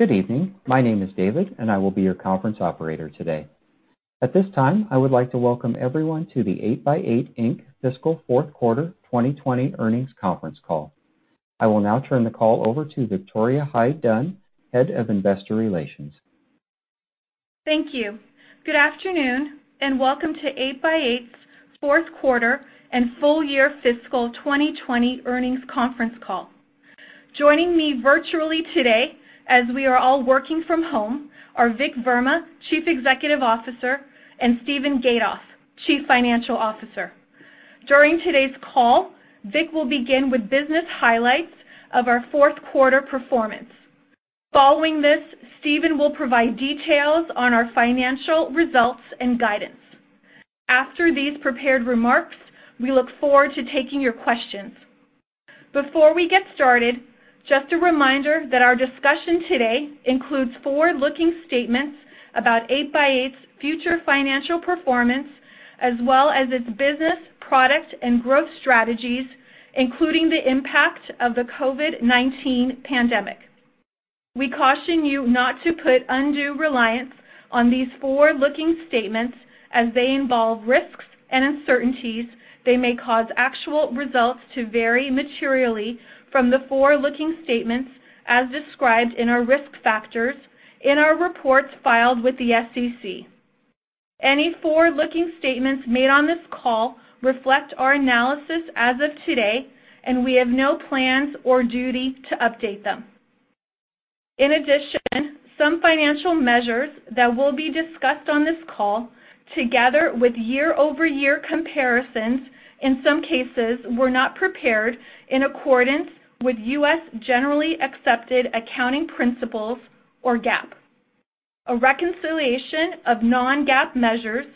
Good evening. My name is David, and I will be your conference operator today. At this time, I would like to welcome everyone to the 8x8 Inc. Fiscal Fourth Quarter 2020 Earnings Conference Call. I will now turn the call over to Victoria Hyde-Dunn, Head of Investor Relations. Thank you. Good afternoon, welcome to 8x8's fourth quarter and full year fiscal 2020 earnings conference call. Joining me virtually today, as we are all working from home, are Vik Verma, Chief Executive Officer, and Steven Gatoff, Chief Financial Officer. During today's call, Vik will begin with business highlights of our fourth quarter performance. Following this, Steven will provide details on our financial results and guidance. After these prepared remarks, we look forward to taking your questions. Before we get started, just a reminder that our discussion today includes forward-looking statements about 8x8's future financial performance, as well as its business, product, and growth strategies, including the impact of the COVID-19 pandemic. We caution you not to put undue reliance on these forward-looking statements as they involve risks and uncertainties. They may cause actual results to vary materially from the forward-looking statements as described in our risk factors in our reports filed with the SEC. Any forward-looking statements made on this call reflect our analysis as of today, and we have no plans or duty to update them. In addition, some financial measures that will be discussed on this call, together with year-over-year comparisons in some cases, were not prepared in accordance with U.S. generally accepted accounting principles or GAAP. A reconciliation of non-GAAP measures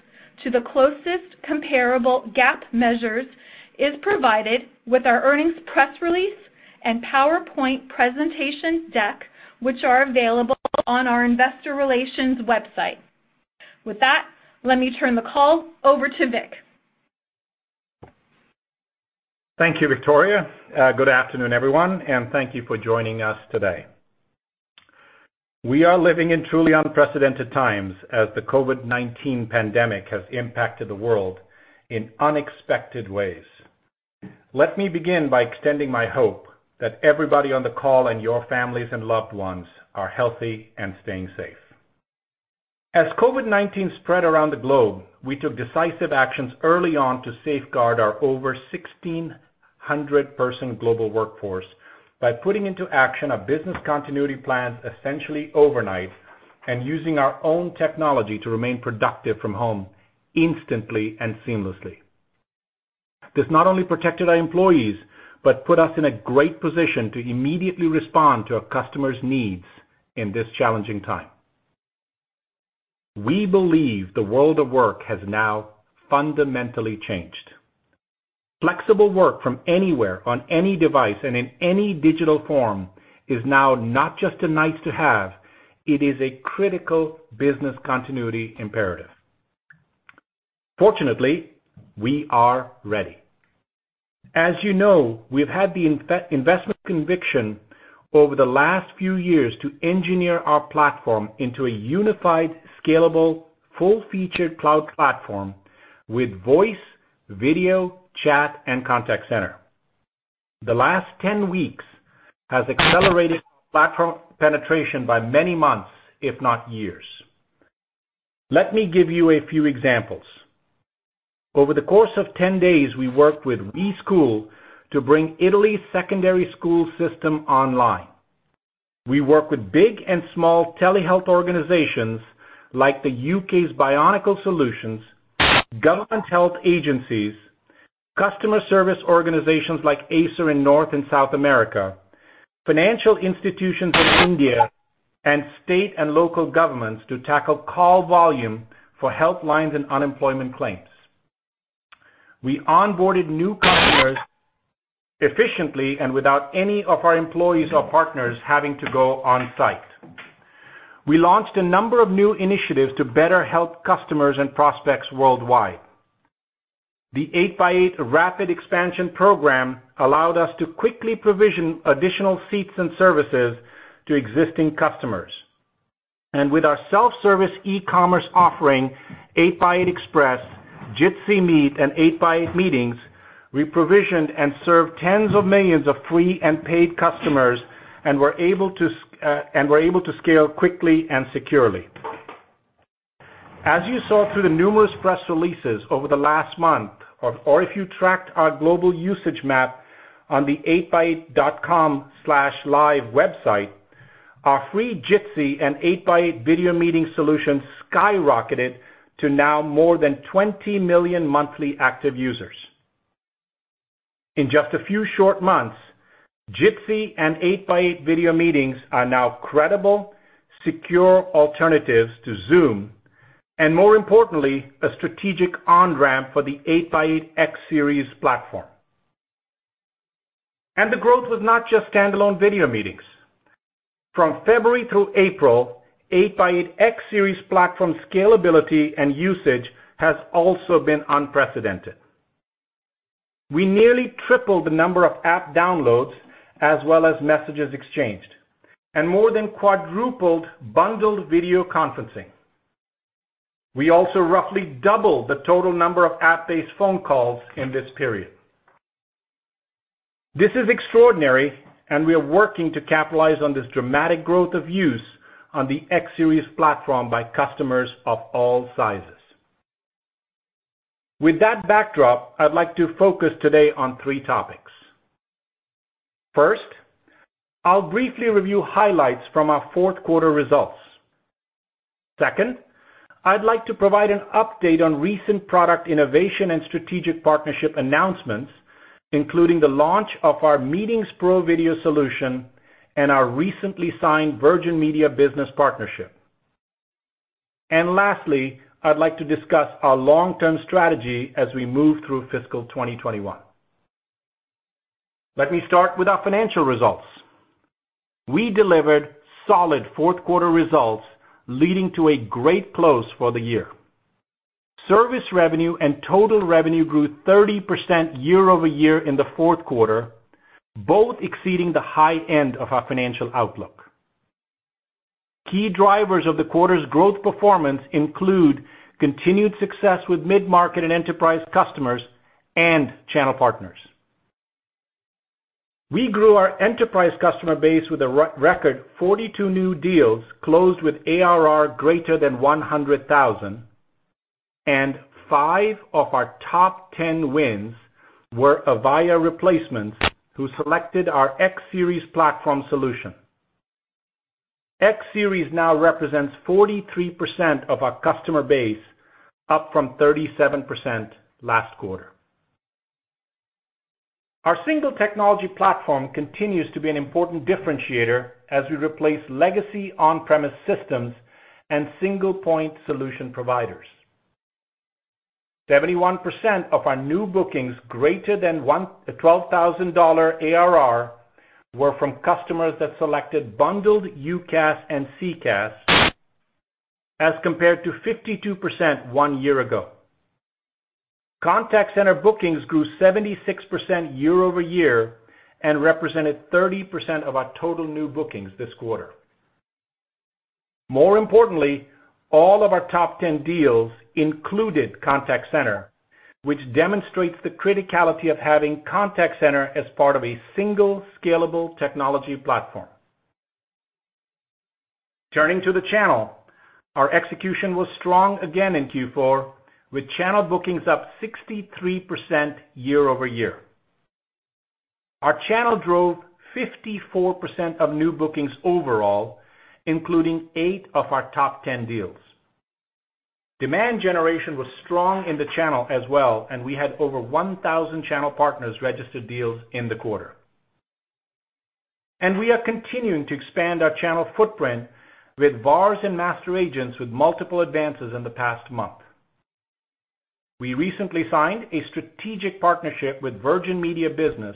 to the closest comparable GAAP measures is provided with our earnings press release and PowerPoint presentation deck, which are available on our investor relations website. With that, let me turn the call over to Vik. Thank you, Victoria. Good afternoon, everyone, and thank you for joining us today. We are living in truly unprecedented times as the COVID-19 pandemic has impacted the world in unexpected ways. Let me begin by extending my hope that everybody on the call and your families and loved ones are healthy and staying safe. As COVID-19 spread around the globe, we took decisive actions early on to safeguard our over 1,600-person global workforce by putting into action a business continuity plan essentially overnight and using our own technology to remain productive from home instantly and seamlessly. This not only protected our employees but put us in a great position to immediately respond to our customers' needs in this challenging time. We believe the world of work has now fundamentally changed. Flexible work from anywhere, on any device, and in any digital form is now not just a nice-to-have, it is a critical business continuity imperative. Fortunately, we are ready. As you know, we've had the investment conviction over the last few years to engineer our platform into a unified, scalable, full-featured cloud platform with voice, video, chat, and contact center. The last 10 weeks has accelerated platform penetration by many months, if not years. Let me give you a few examples. Over the course of 10 days, we worked with WeSchool to bring Italy's secondary school system online. We work with big and small telehealth organizations like the U.K.'s Bionical Solutions, government health agencies, customer service organizations like Acer in North and South America, financial institutions in India, and state and local governments to tackle call volume for health lines and unemployment claims. We onboarded new customers efficiently and without any of our employees or partners having to go on-site. We launched a number of new initiatives to better help customers and prospects worldwide. The 8x8 Rapid Expansion Program allowed us to quickly provision additional seats and services to existing customers. With our self-service e-commerce offering, 8x8 Express, Jitsi Meet, and 8x8 Video Meetings, we provisioned and served tens of millions of free and paid customers and were able to scale quickly and securely. As you saw through the numerous press releases over the last month, or if you tracked our global usage map on the 8x8.com/live website, our free Jitsi and 8x8 Video Meetings solutions skyrocketed to now more than 20 million monthly active users. In just a few short months, Jitsi and 8x8 Video Meetings are now credible, secure alternatives to Zoom. More importantly, a strategic on-ramp for the 8x8 X Series platform. The growth was not just standalone video meetings. From February through April, 8x8 X Series platform scalability and usage has also been unprecedented. We nearly tripled the number of app downloads as well as messages exchanged, and more than quadrupled bundled video conferencing. We also roughly doubled the total number of app-based phone calls in this period. This is extraordinary, and we are working to capitalize on this dramatic growth of use on the X Series platform by customers of all sizes. With that backdrop, I'd like to focus today on three topics. First, I'll briefly review highlights from our fourth quarter results. Second, I'd like to provide an update on recent product innovation and strategic partnership announcements, including the launch of our Meetings Pro video solution and our recently signed Virgin Media Business partnership. Lastly, I'd like to discuss our long-term strategy as we move through fiscal 2021. Let me start with our financial results. We delivered solid fourth quarter results, leading to a great close for the year. Service revenue and total revenue grew 30% year-over-year in the fourth quarter, both exceeding the high end of our financial outlook. Key drivers of the quarter's growth performance include continued success with mid-market and enterprise customers and channel partners. We grew our enterprise customer base with a record 42 new deals closed with ARR greater than $100,000, five of our top 10 wins were Avaya replacements who selected our X Series platform solution. X Series now represents 43% of our customer base, up from 37% last quarter. Our single technology platform continues to be an important differentiator as we replace legacy on-premise systems and single-point solution providers. 71% of our new bookings greater than $12,000 ARR were from customers that selected bundled UCaaS and CCaaS, as compared to 52% one year ago. Contact center bookings grew 76% year-over-year and represented 30% of our total new bookings this quarter. More importantly, all of our top 10 deals included contact center, which demonstrates the criticality of having contact center as part of a single scalable technology platform. Turning to the channel, our execution was strong again in Q4, with channel bookings up 63% year-over-year. Our channel drove 54% of new bookings overall, including eight of our top 10 deals. Demand generation was strong in the channel as well, and we had over 1,000 channel partners register deals in the quarter. We are continuing to expand our channel footprint with VARs and master agents with multiple advances in the past month. We recently signed a strategic partnership with Virgin Media Business,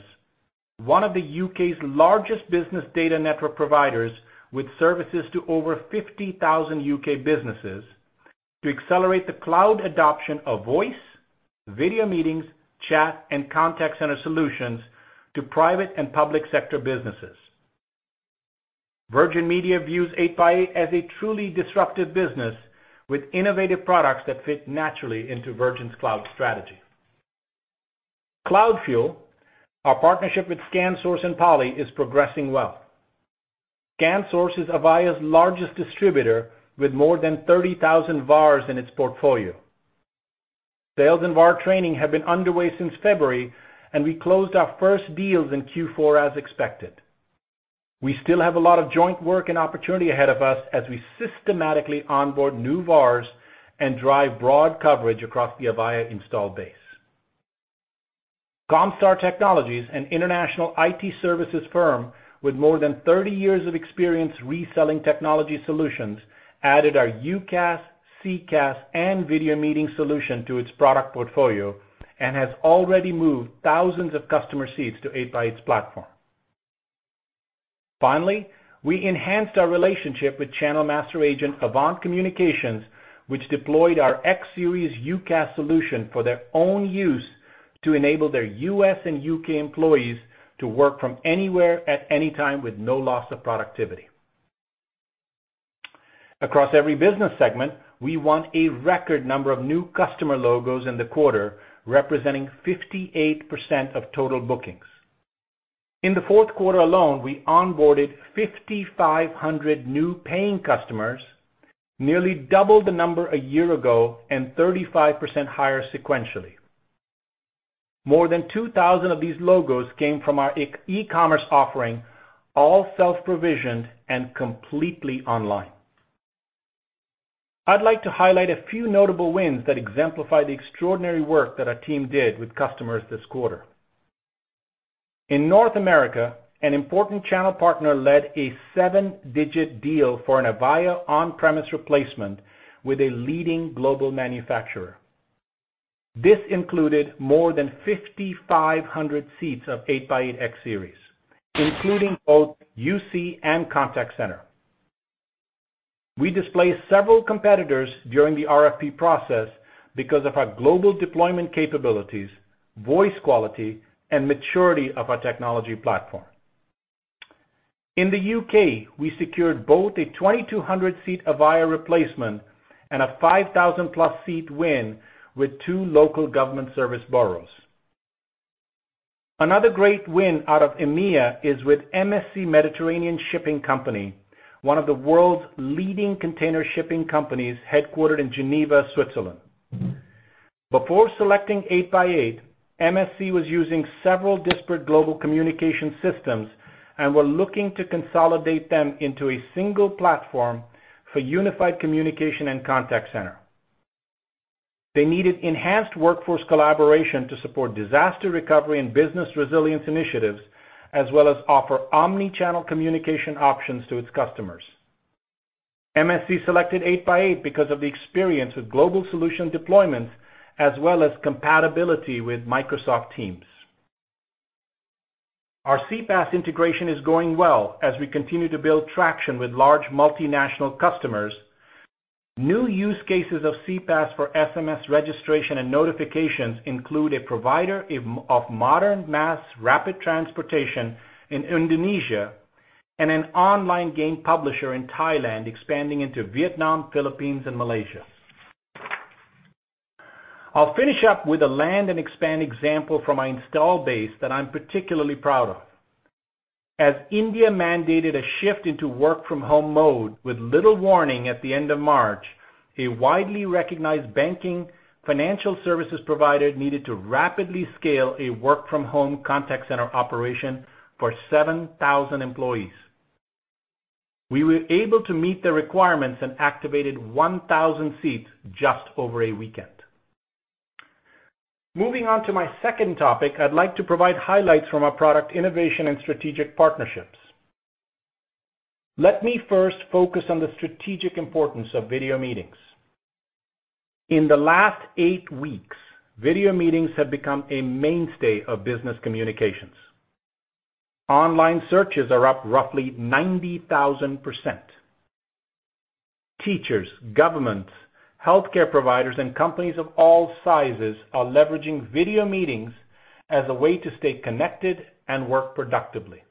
one of the U.K.'s largest business data network providers, with services to over 50,000 U.K. businesses, to accelerate the cloud adoption of voice, video meetings, chat, and contact center solutions to private and public sector businesses. Virgin Media views 8x8 as a truly disruptive business with innovative products that fit naturally into Virgin's cloud strategy. CloudFuel, our partnership with ScanSource and Poly, is progressing well. ScanSource is Avaya's largest distributor, with more than 30,000 VARs in its portfolio. Sales and VAR training have been underway since February, and we closed our first deals in Q4 as expected. We still have a lot of joint work and opportunity ahead of us as we systematically onboard new VARs and drive broad coverage across the Avaya install base. Comstar Technologies, an international IT services firm with more than 30 years of experience reselling technology solutions, added our UCaaS, CCaaS, and video meeting solution to its product portfolio and has already moved thousands of customer seats to 8x8's platform. Finally, we enhanced our relationship with channel master agent AVANT Communications, which deployed our X Series UCaaS solution for their own use to enable their U.S. and U.K. employees to work from anywhere at any time with no loss of productivity. Across every business segment, we won a record number of new customer logos in the quarter, representing 58% of total bookings. In the fourth quarter alone, we onboarded 5,500 new paying customers, nearly double the number a year ago and 35% higher sequentially. More than 2,000 of these logos came from our e-commerce offering, all self-provisioned and completely online. I'd like to highlight a few notable wins that exemplify the extraordinary work that our team did with customers this quarter. In North America, an important channel partner led a seven-digit deal for an Avaya on-premise replacement with a leading global manufacturer. This included more than 5,500 seats of 8x8 X Series, including both UC and contact center. We displaced several competitors during the RFP process because of our global deployment capabilities, voice quality, and maturity of our technology platform. In the U.K., we secured both a 2,200-seat Avaya replacement and a 5,000+ seat win with two local government service boroughs. Another great win out of EMEA is with MSC Mediterranean Shipping Company, one of the world's leading container shipping companies headquartered in Geneva, Switzerland. Before selecting 8x8, MSC was using several disparate global communication systems and were looking to consolidate them into a single platform for unified communication and contact center. They needed enhanced workforce collaboration to support disaster recovery and business resilience initiatives, as well as offer omni-channel communication options to its customers. MSC selected 8x8 because of the experience with global solution deployments as well as compatibility with Microsoft Teams. Our CPaaS integration is going well as we continue to build traction with large multinational customers. New use cases of CPaaS for SMS registration and notifications include a provider of modern mass rapid transportation in Indonesia and an online game publisher in Thailand expanding into Vietnam, Philippines, and Malaysia. I'll finish up with a land and expand example from our install base that I'm particularly proud of. As India mandated a shift into work-from-home mode with little warning at the end of March, a widely recognized banking financial services provider needed to rapidly scale a work-from-home contact center operation for 7,000 employees. We were able to meet the requirements and activated 1,000 seats just over a weekend. Moving on to my second topic, I'd like to provide highlights from our product innovation and strategic partnerships. Let me first focus on the strategic importance of video meetings. In the last eight weeks, video meetings have become a mainstay of business communications. Online searches are up roughly 90,000%. Teachers, governments, healthcare providers, and companies of all sizes are leveraging video meetings as a way to stay connected and work productively.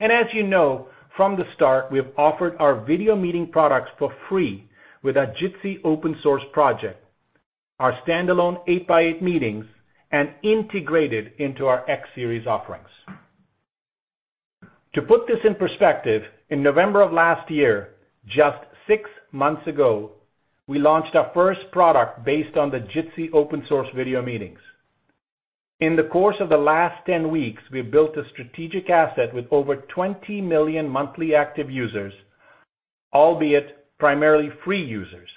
As you know, from the start, we have offered our video meeting products for free with our Jitsi open source project, our standalone 8x8 Meetings, and integrated into our X Series offerings. To put this in perspective, in November of last year, just six months ago, we launched our first product based on the Jitsi open source video meetings. In the course of the last 10 weeks, we have built a strategic asset with over 20 million monthly active users, albeit primarily free users.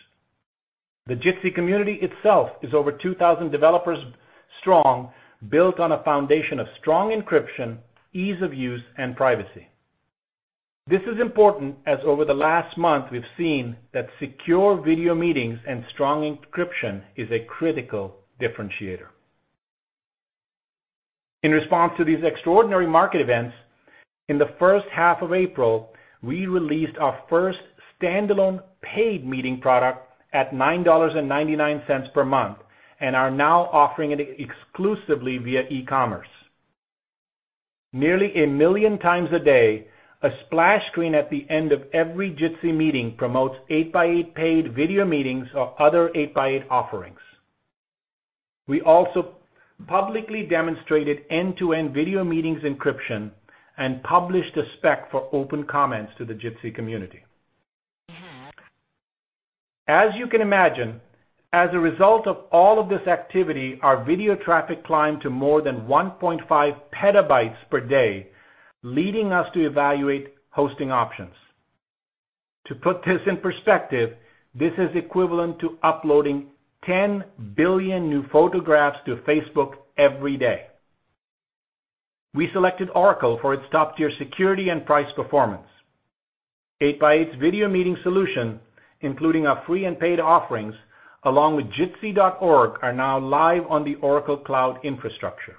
The Jitsi community itself is over 2,000 developers strong, built on a foundation of strong encryption, ease of use, and privacy. This is important as over the last month, we've seen that secure video meetings and strong encryption is a critical differentiator. In response to these extraordinary market events, in the first half of April, we released our first standalone paid meeting product at $9.99 per month and are now offering it exclusively via e-commerce. Nearly 1 million times a day, a splash screen at the end of every Jitsi meeting promotes 8x8 paid Video Meetings or other 8x8 offerings. We also publicly demonstrated end-to-end video meetings encryption and published a spec for open comments to the Jitsi community. As you can imagine, as a result of all of this activity, our video traffic climbed to more than 1.5 PB per day, leading us to evaluate hosting options. To put this in perspective, this is equivalent to uploading 10 billion new photographs to Facebook every day. We selected Oracle for its top-tier security and price performance. 8x8's video meeting solution, including our free and paid offerings, along with jitsi.org, are now live on the Oracle Cloud Infrastructure.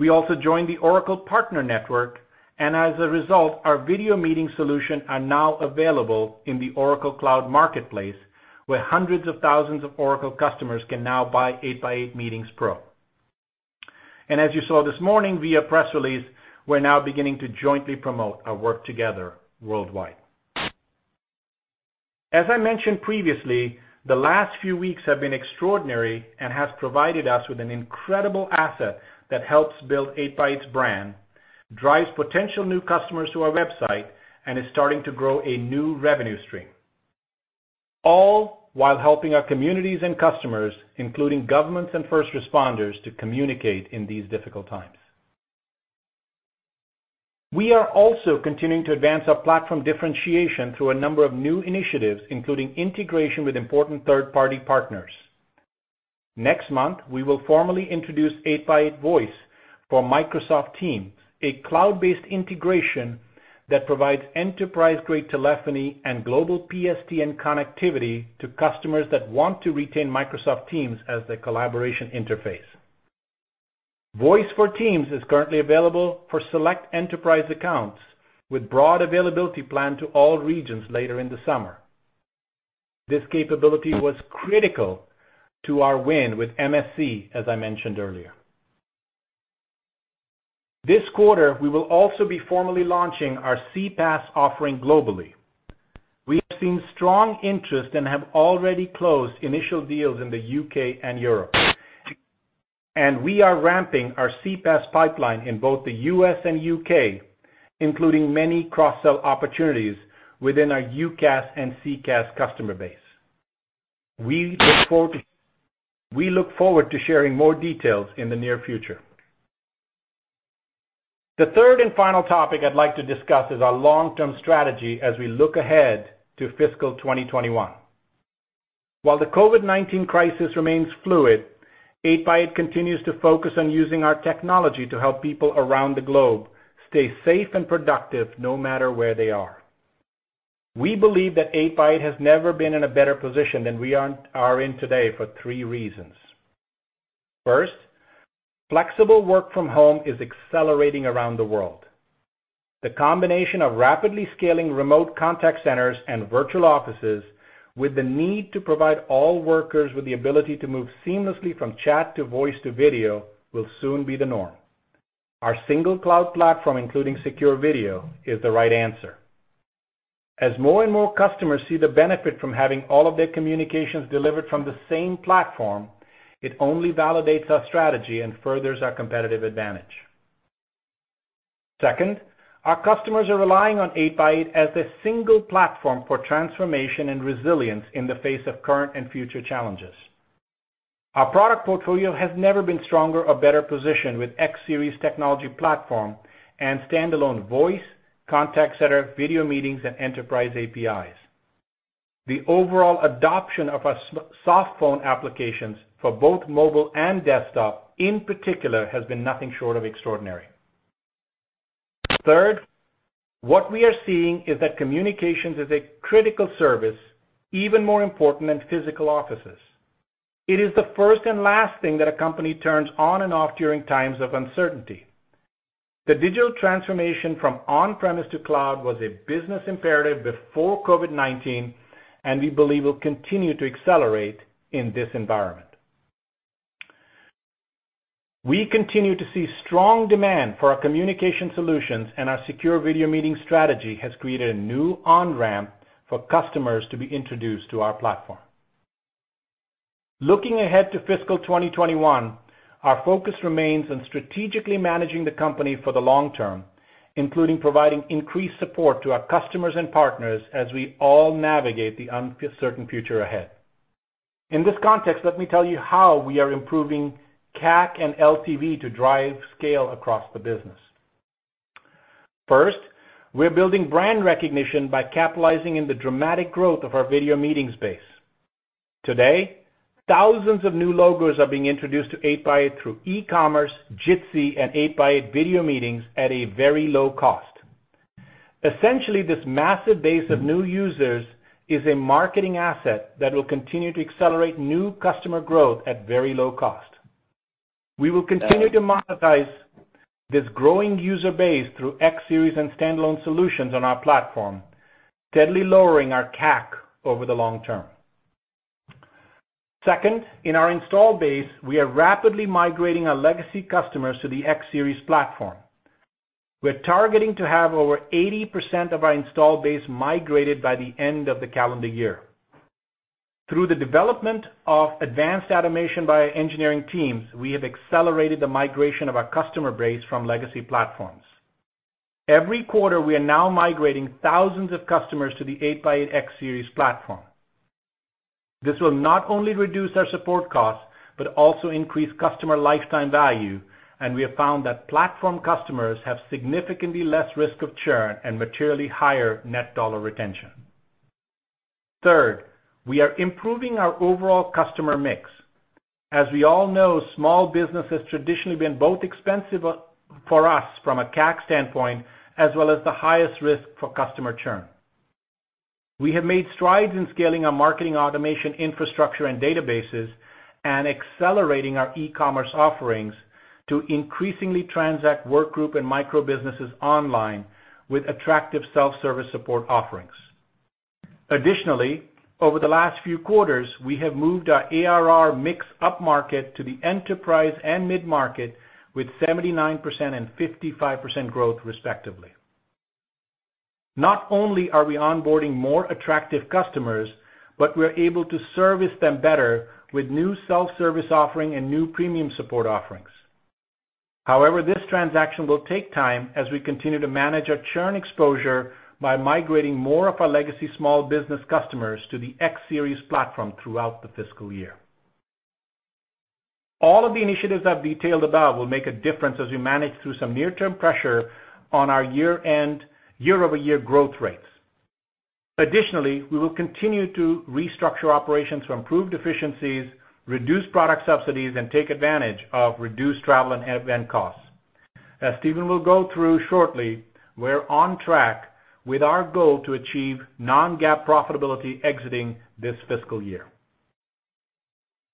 We also joined the Oracle Partner Network, and as a result, our video meeting solution are now available in the Oracle Cloud Marketplace, where hundreds of thousands of Oracle customers can now buy 8x8 Meetings Pro. As you saw this morning via press release, we're now beginning to jointly promote our work together worldwide. As I mentioned previously, the last few weeks have been extraordinary and have provided us with an incredible asset that helps build 8x8's brand, drives potential new customers to our website, and is starting to grow a new revenue stream, all while helping our communities and customers, including governments and first responders, to communicate in these difficult times. We are also continuing to advance our platform differentiation through a number of new initiatives, including integration with important third-party partners. Next month, we will formally introduce 8x8 Voice for Microsoft Teams, a cloud-based integration that provides enterprise-grade telephony and global PSTN connectivity to customers that want to retain Microsoft Teams as their collaboration interface. Voice for Teams is currently available for select enterprise accounts, with broad availability planned to all regions later in the summer. This capability was critical to our win with MSC, as I mentioned earlier. This quarter, we will also be formally launching our CPaaS offering globally. We have seen strong interest and have already closed initial deals in the U.K. and Europe. We are ramping our CPaaS pipeline in both the U.S. and U.K., including many cross-sell opportunities within our UCaaS and CCaaS customer base. We look forward to sharing more details in the near future. The third and final topic I'd like to discuss is our long-term strategy as we look ahead to fiscal 2021. While the COVID-19 crisis remains fluid, 8x8 continues to focus on using our technology to help people around the globe stay safe and productive no matter where they are. We believe that 8x8 has never been in a better position than we are in today for three reasons. First, flexible work from home is accelerating around the world. The combination of rapidly scaling remote contact centers and virtual offices with the need to provide all workers with the ability to move seamlessly from chat to voice to video will soon be the norm. Our single cloud platform, including secure video, is the right answer. As more and more customers see the benefit from having all of their communications delivered from the same platform, it only validates our strategy and furthers our competitive advantage. Second, our customers are relying on 8x8 as their single platform for transformation and resilience in the face of current and future challenges. Our product portfolio has never been stronger or better positioned with X Series technology platform and standalone voice, contact center, video meetings, and enterprise APIs. The overall adoption of our soft phone applications for both mobile and desktop, in particular, has been nothing short of extraordinary. Third, what we are seeing is that communications is a critical service, even more important than physical offices. It is the first and last thing that a company turns on and off during times of uncertainty. The digital transformation from on-premise to cloud was a business imperative before COVID-19, and we believe will continue to accelerate in this environment. We continue to see strong demand for our communication solutions, and our secure video meeting strategy has created a new on-ramp for customers to be introduced to our platform. Looking ahead to fiscal 2021, our focus remains on strategically managing the company for the long term, including providing increased support to our customers and partners as we all navigate the uncertain future ahead. In this context, let me tell you how we are improving CAC and LTV to drive scale across the business. First, we are building brand recognition by capitalizing on the dramatic growth of our video meeting space. Today, thousands of new logos are being introduced to 8x8 through eCommerce, Jitsi, and 8x8 Video Meetings at a very low cost. Essentially, this massive base of new users is a marketing asset that will continue to accelerate new customer growth at very low cost. We will continue to monetize this growing user base through X series and standalone solutions on our platform, steadily lowering our CAC over the long term. Second, in our install base, we are rapidly migrating our legacy customers to the X series platform. We're targeting to have over 80% of our installed base migrated by the end of the calendar year. Through the development of advanced automation by our engineering teams, we have accelerated the migration of our customer base from legacy platforms. Every quarter, we are now migrating thousands of customers to the 8x8 X Series platform. This will not only reduce our support costs, but also increase customer lifetime value, and we have found that platform customers have significantly less risk of churn and materially higher net dollar retention. Third, we are improving our overall customer mix. As we all know, small business has traditionally been both expensive for us from a CAC standpoint, as well as the highest risk for customer churn. We have made strides in scaling our marketing automation infrastructure and databases and accelerating our eCommerce offerings to increasingly transact work group and micro businesses online with attractive self-service support offerings. Additionally, over the last few quarters, we have moved our ARR mix upmarket to the enterprise and mid-market with 79% and 55% growth respectively. Not only are we onboarding more attractive customers, but we're able to service them better with new self-service offering and new premium support offerings. However, this transition will take time as we continue to manage our churn exposure by migrating more of our legacy small business customers to the X Series platform throughout the fiscal year. All of the initiatives I've detailed above will make a difference as we manage through some near-term pressure on our year-over-year growth rates. Additionally, we will continue to restructure operations to improve efficiencies, reduce product subsidies, and take advantage of reduced travel and event costs. As Steven will go through shortly, we're on track with our goal to achieve non-GAAP profitability exiting this fiscal year.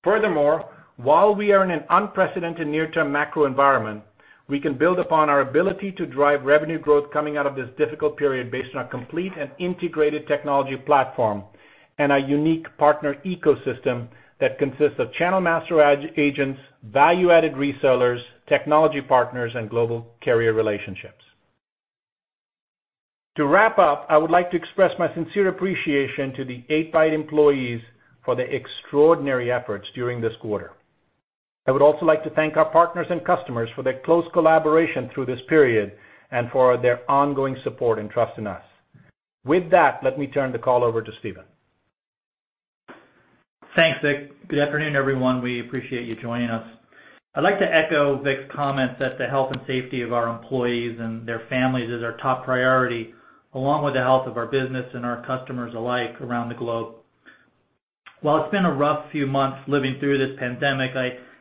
Furthermore, while we are in an unprecedented near-term macro environment, we can build upon our ability to drive revenue growth coming out of this difficult period based on our complete and integrated technology platform and our unique partner ecosystem that consists of channel master agents, value-added resellers, technology partners, and global carrier relationships. To wrap up, I would like to express my sincere appreciation to the 8x8 employees for their extraordinary efforts during this quarter. I would also like to thank our partners and customers for their close collaboration through this period and for their ongoing support and trust in us. With that, let me turn the call over to Steven. Thanks, Vik. Good afternoon, everyone. We appreciate you joining us. I'd like to echo Vik's comments that the health and safety of our employees and their families is our top priority, along with the health of our business and our customers alike around the globe. While it's been a rough few months living through this pandemic,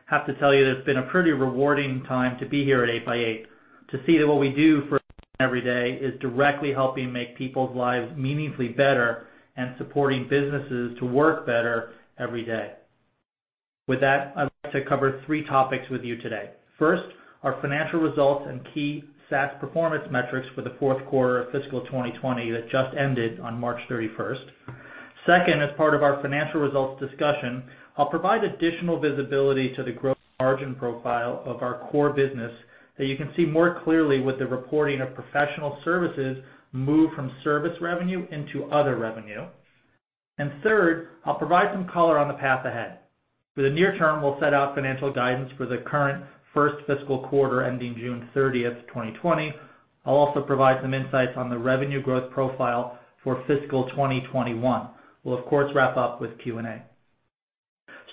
I have to tell you it's been a pretty rewarding time to be here at 8x8. To see that what we do for every day is directly helping make people's lives meaningfully better and supporting businesses to work better every day. With that, I'd like to cover three topics with you today. First, our financial results and key SaaS performance metrics for the fourth quarter of fiscal 2020 that just ended on March 31st. Second, as part of our financial results discussion, I'll provide additional visibility to the gross margin profile of our core business that you can see more clearly with the reporting of professional services move from service revenue into other revenue. Third, I'll provide some color on the path ahead. For the near term, we'll set out financial guidance for the current first fiscal quarter ending June 30th, 2020. I'll also provide some insights on the revenue growth profile for fiscal 2021. We'll of course, wrap up with Q&A.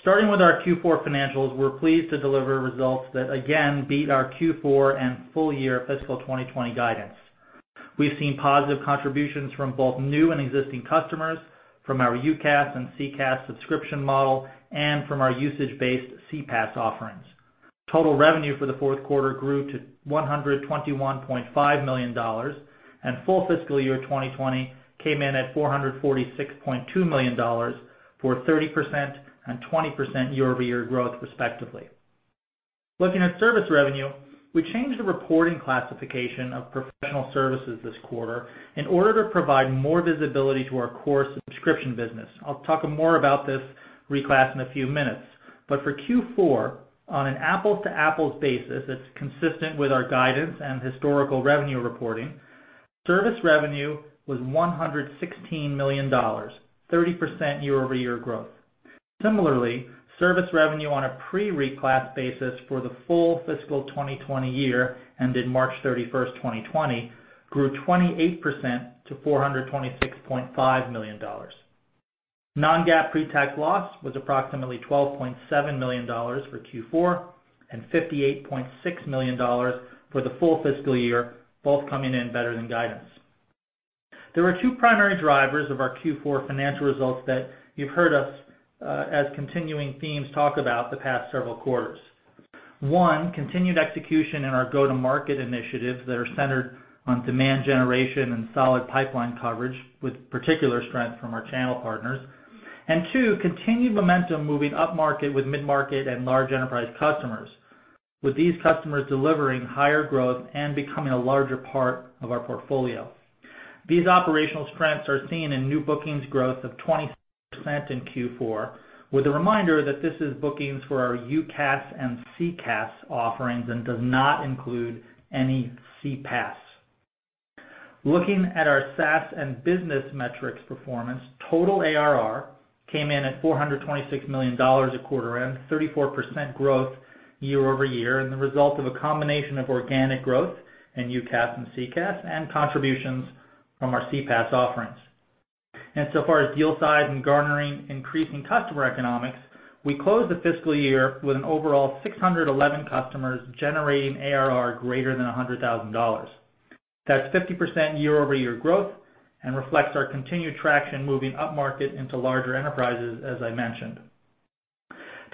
Starting with our Q4 financials, we're pleased to deliver results that again beat our Q4 and full year fiscal 2020 guidance. We've seen positive contributions from both new and existing customers, from our UCaaS and CCaaS subscription model, and from our usage-based CPaaS offerings. Total revenue for the fourth quarter grew to $121.5 million, and full fiscal year 2020 came in at $446.2 million, for 30% and 20% year-over-year growth respectively. Looking at service revenue, we changed the reporting classification of professional services this quarter in order to provide more visibility to our core subscription business. I'll talk more about this reclass in a few minutes. For Q4, on an apples-to-apples basis that's consistent with our guidance and historical revenue reporting, service revenue was $116 million, 30% year-over-year growth. Similarly, service revenue on a pre-reclass basis for the full fiscal 2020 year ended March 31st, 2020, grew 28% to $426.5 million. Non-GAAP pre-tax loss was approximately $12.7 million for Q4 and $58.6 million for the full fiscal year, both coming in better than guidance. There were two primary drivers of our Q4 financial results that you've heard us, as continuing themes, talk about the past several quarters. One, continued execution in our go-to-market initiatives that are centered on demand generation and solid pipeline coverage with particular strength from our channel partners. Two, continued momentum moving up market with mid-market and large enterprise customers. With these customers delivering higher growth and becoming a larger part of our portfolio. These operational strengths are seen in new bookings growth of 26% in Q4, with a reminder that this is bookings for our UCaaS and CCaaS offerings and does not include any CPaaS. Looking at our SaaS and business metrics performance, total ARR came in at $426 million at quarter end, 34% growth year-over-year and the result of a combination of organic growth in UCaaS and CCaaS and contributions from our CPaaS offerings. so far as deal size and garnering increasing customer economics, we closed the fiscal year with an overall 611 customers generating ARR greater than $100,000. That's 50% year-over-year growth and reflects our continued traction moving upmarket into larger enterprises, as I mentioned.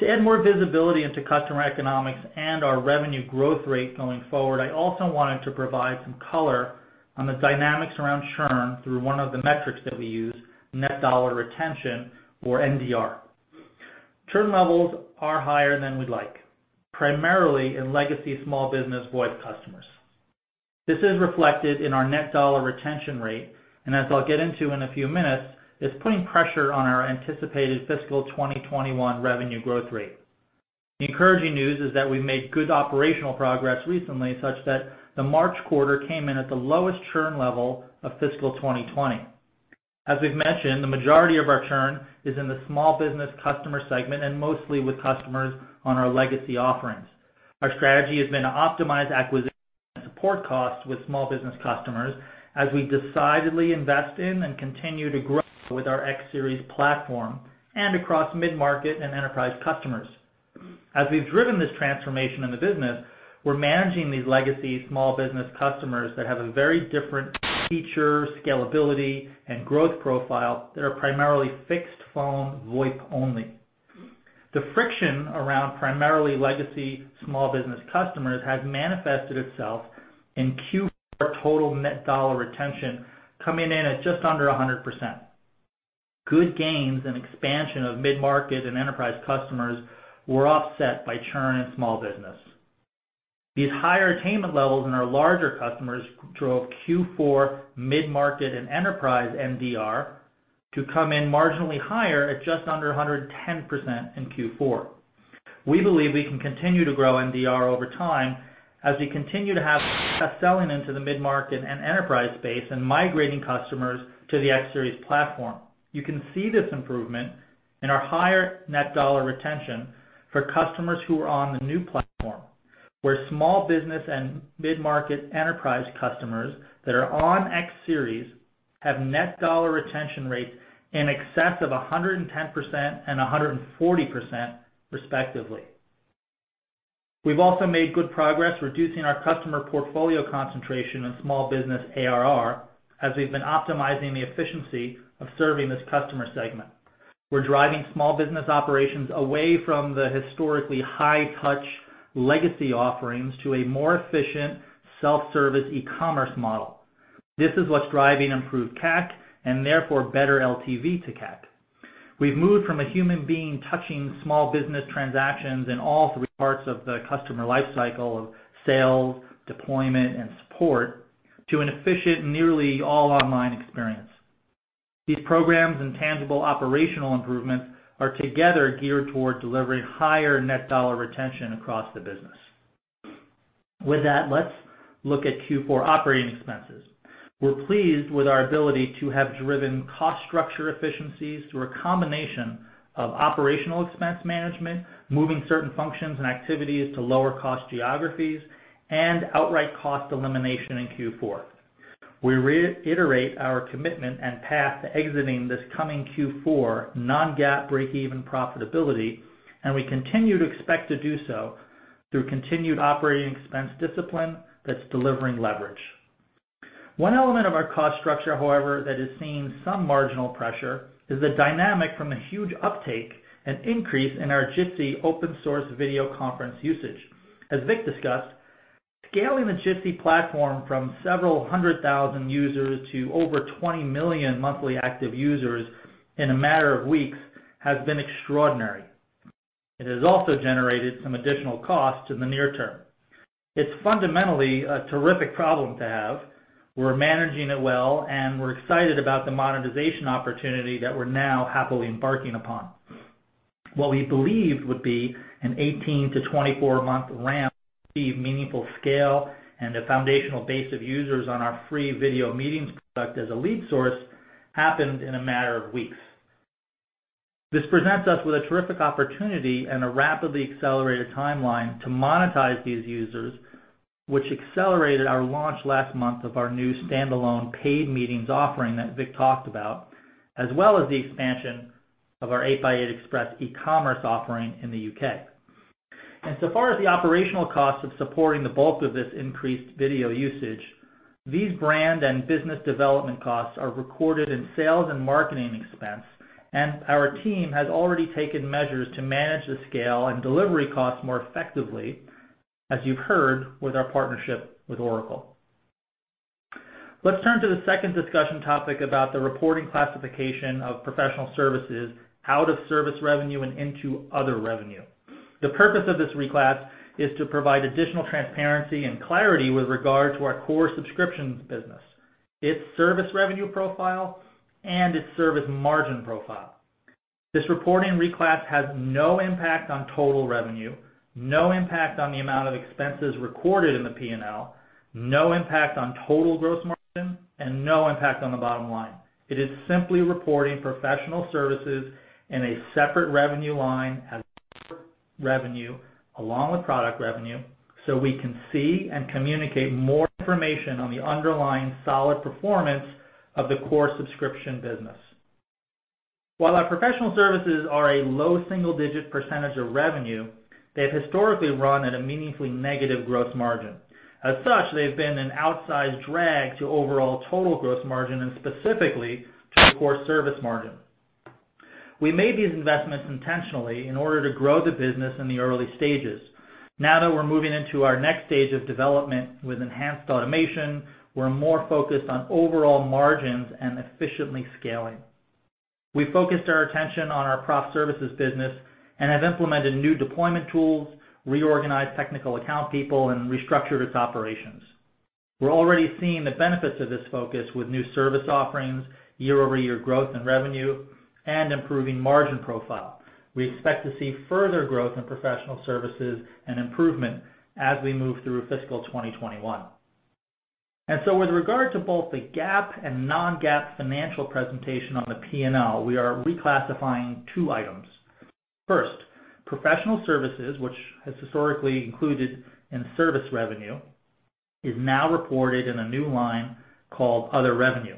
To add more visibility into customer economics and our revenue growth rate going forward, I also wanted to provide some color on the dynamics around churn through one of the metrics that we use, net dollar retention or NDR. Churn levels are higher than we'd like, primarily in legacy small business VoIP customers. This is reflected in our net dollar retention rate, and as I'll get into in a few minutes, it's putting pressure on our anticipated fiscal 2021 revenue growth rate. The encouraging news is that we've made good operational progress recently, such that the March quarter came in at the lowest churn level of fiscal 2020. As we've mentioned, the majority of our churn is in the small business customer segment and mostly with customers on our legacy offerings. Our strategy has been to optimize acquisition support costs with small business customers as we decidedly invest in and continue to grow with our X Series platform and across mid-market and enterprise customers. As we've driven this transformation in the business, we're managing these legacy small business customers that have a very different feature, scalability, and growth profile that are primarily fixed phone VoIP only. The friction around primarily legacy small business customers has manifested itself in Q4 total net dollar retention coming in at just under 100%. Good gains and expansion of mid-market and enterprise customers were offset by churn in small business. These higher attainment levels in our larger customers drove Q4 mid-market and enterprise NDR to come in marginally higher at just under 110% in Q4. We believe we can continue to grow NDR over time as we continue to have success selling into the mid-market and enterprise space and migrating customers to the X Series platform. You can see this improvement in our higher net dollar retention for customers who are on the new platform, where small business and mid-market enterprise customers that are on X Series have net dollar retention rates in excess of 110% and 140%, respectively. We've also made good progress reducing our customer portfolio concentration in small business ARR as we've been optimizing the efficiency of serving this customer segment. We're driving small business operations away from the historically high-touch legacy offerings to a more efficient self-service e-commerce model. This is what's driving improved CAC and therefore better LTV to CAC. We've moved from a human being touching small business transactions in all three parts of the customer life cycle of sales, deployment, and support to an efficient, nearly all online experience. These programs and tangible operational improvements are together geared toward delivering higher net dollar retention across the business. With that, let's look at Q4 operating expenses. We're pleased with our ability to have driven cost structure efficiencies through a combination of operational expense management, moving certain functions and activities to lower-cost geographies, and outright cost elimination in Q4. We reiterate our commitment and path to exiting this coming Q4 non-GAAP breakeven profitability, and we continue to expect to do so through continued operating expense discipline that's delivering leverage. One element of our cost structure, however, that has seen some marginal pressure is the dynamic from the huge uptake and increase in our Jitsi open-source video conference usage. As Vik discussed, scaling the Jitsi platform from several hundred thousand users to over 20 million monthly active users in a matter of weeks has been extraordinary. It has also generated some additional costs in the near term. It's fundamentally a terrific problem to have. We're managing it well, and we're excited about the monetization opportunity that we're now happily embarking upon. What we believed would be an 18-24 month ramp to achieve meaningful scale and a foundational base of users on our free video meetings product as a lead source happened in a matter of weeks. This presents us with a terrific opportunity and a rapidly accelerated timeline to monetize these users, which accelerated our launch last month of our new standalone paid meetings offering that Vik talked about, as well as the expansion of our 8x8 Express e-commerce offering in the U.K. far as the operational costs of supporting the bulk of this increased video usage, these brand and business development costs are recorded in sales and marketing expense, and our team has already taken measures to manage the scale and delivery costs more effectively, as you've heard, with our partnership with Oracle. Let's turn to the second discussion topic about the reporting classification of professional services out of service revenue and into other revenue. The purpose of this reclass is to provide additional transparency and clarity with regard to our core subscriptions business, its service revenue profile, and its service margin profile. This reporting reclass has no impact on total revenue, no impact on the amount of expenses recorded in the P&L, no impact on total gross margin, and no impact on the bottom line. It is simply reporting professional services in a separate revenue line as service revenue along with product revenue so we can see and communicate more information on the underlying solid performance of the core subscription business. While our professional services are a low single-digit percentage of revenue, they've historically run at a meaningfully negative gross margin. As such, they've been an outsized drag to overall total gross margin and specifically to core service margin. We made these investments intentionally in order to grow the business in the early stages. Now that we're moving into our next stage of development with enhanced automation, we're more focused on overall margins and efficiently scaling. We focused our attention on our prof services business and have implemented new deployment tools, reorganized technical account people, and restructured its operations. We're already seeing the benefits of this focus with new service offerings, year-over-year growth in revenue, and improving margin profile. We expect to see further growth in professional services and improvement as we move through fiscal 2021. With regard to both the GAAP and non-GAAP financial presentation on the P&L, we are reclassifying two items. First, professional services, which has historically included in service revenue, is now reported in a new line called other revenue.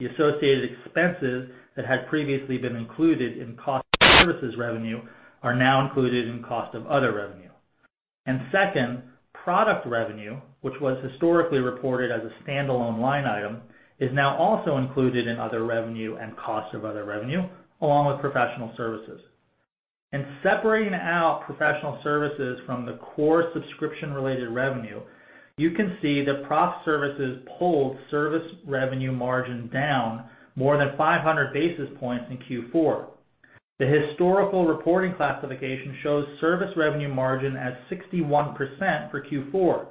The associated expenses that had previously been included in cost of services revenue are now included in cost of other revenue. Second, product revenue, which was historically reported as a standalone line item, is now also included in other revenue and cost of other revenue, along with professional services. In separating out professional services from the core subscription-related revenue, you can see that prof services pulled service revenue margin down more than 500 basis points in Q4. The historical reporting classification shows service revenue margin as 61% for Q4.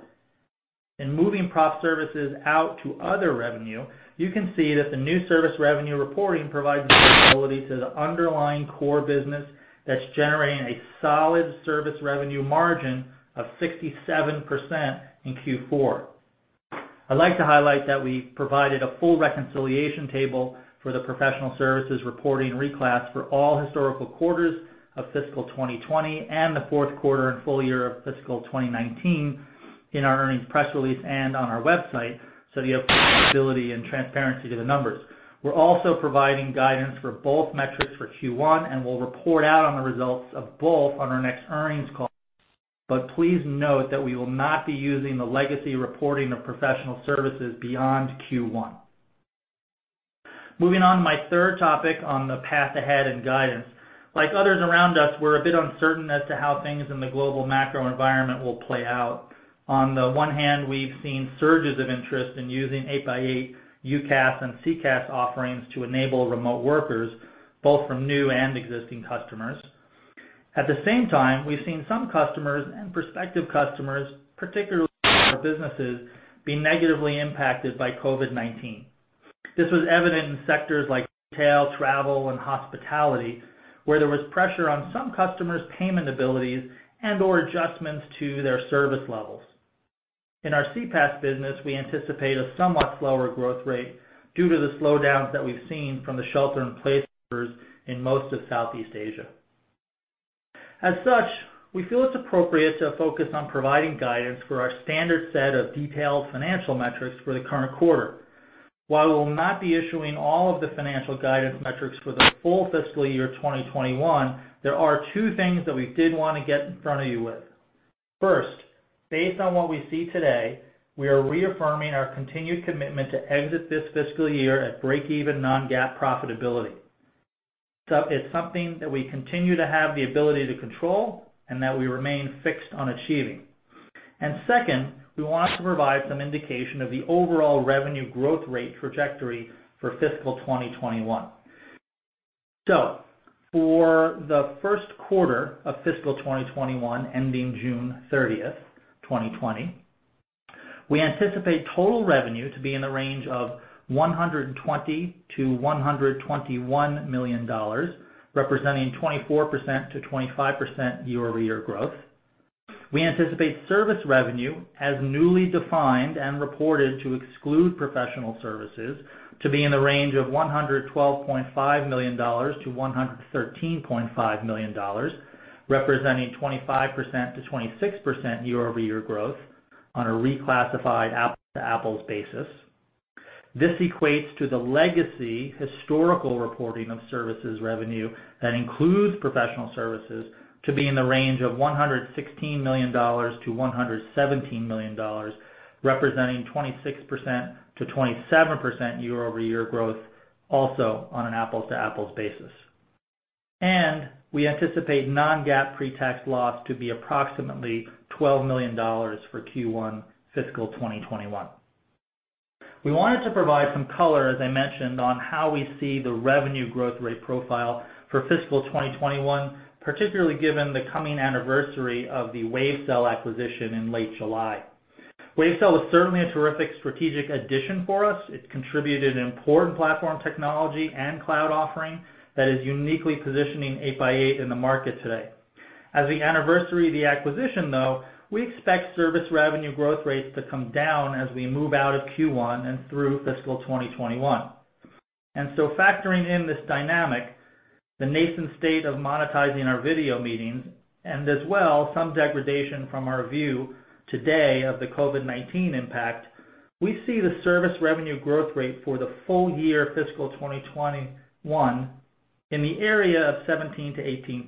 In moving prof services out to other revenue, you can see that the new service revenue reporting provides visibility to the underlying core business that's generating a solid service revenue margin of 67% in Q4. I'd like to highlight that we provided a full reconciliation table for the professional services reporting reclass for all historical quarters of fiscal 2020 and the fourth quarter and full year of fiscal 2019 in our earnings press release and on our website, so you have full visibility and transparency to the numbers. We're also providing guidance for both metrics for Q1, and we'll report out on the results of both on our next earnings call. Please note that we will not be using the legacy reporting of professional services beyond Q1. Moving on to my third topic on the path ahead and guidance. Like others around us, we're a bit uncertain as to how things in the global macro environment will play out. On the one hand, we've seen surges of interest in using 8x8 UCaaS and CCaaS offerings to enable remote workers, both from new and existing customers. At the same time, we've seen some customers and prospective customers, particularly smaller businesses, be negatively impacted by COVID-19. This was evident in sectors like retail, travel, and hospitality, where there was pressure on some customers' payment abilities and/or adjustments to their service levels. In our CPaaS business, we anticipate a somewhat slower growth rate due to the slowdowns that we've seen from the shelter-in-place orders in most of Southeast Asia. As such, we feel it's appropriate to focus on providing guidance for our standard set of detailed financial metrics for the current quarter. While we'll not be issuing all of the financial guidance metrics for the full fiscal year 2021, there are two things that we did want to get in front of you with. First, based on what we see today, we are reaffirming our continued commitment to exit this fiscal year at break-even non-GAAP profitability. It's something that we continue to have the ability to control and that we remain fixed on achieving. Second, we wanted to provide some indication of the overall revenue growth rate trajectory for fiscal 2021. For the first quarter of fiscal 2021, ending June 30th, 2020, we anticipate total revenue to be in the range of $120 million-$121 million, representing 24%-25% year-over-year growth. We anticipate service revenue, as newly defined and reported to exclude professional services, to be in the range of $112.5 million-$113.5 million, representing 25%-26% year-over-year growth on a reclassified apples-to-apples basis. This equates to the legacy historical reporting of services revenue that includes professional services to be in the range of $116 million-$117 million, representing 26%-27% year-over-year growth, also on an apples-to-apples basis. We anticipate non-GAAP pre-tax loss to be approximately $12 million for Q1 fiscal 2021. We wanted to provide some color, as I mentioned, on how we see the revenue growth rate profile for fiscal 2021, particularly given the coming anniversary of the Wavecell acquisition in late July. Wavecell is certainly a terrific strategic addition for us. It's contributed an important platform technology and cloud offering that is uniquely positioning 8x8 in the market today. As the anniversary of the acquisition, though, we expect service revenue growth rates to come down as we move out of Q1 and through fiscal 2021. factoring in this dynamic, the nascent state of monetizing our video meetings, and as well, some degradation from our view today of the COVID-19 impact, we see the service revenue growth rate for the full year fiscal 2021 in the area of 17%-18%.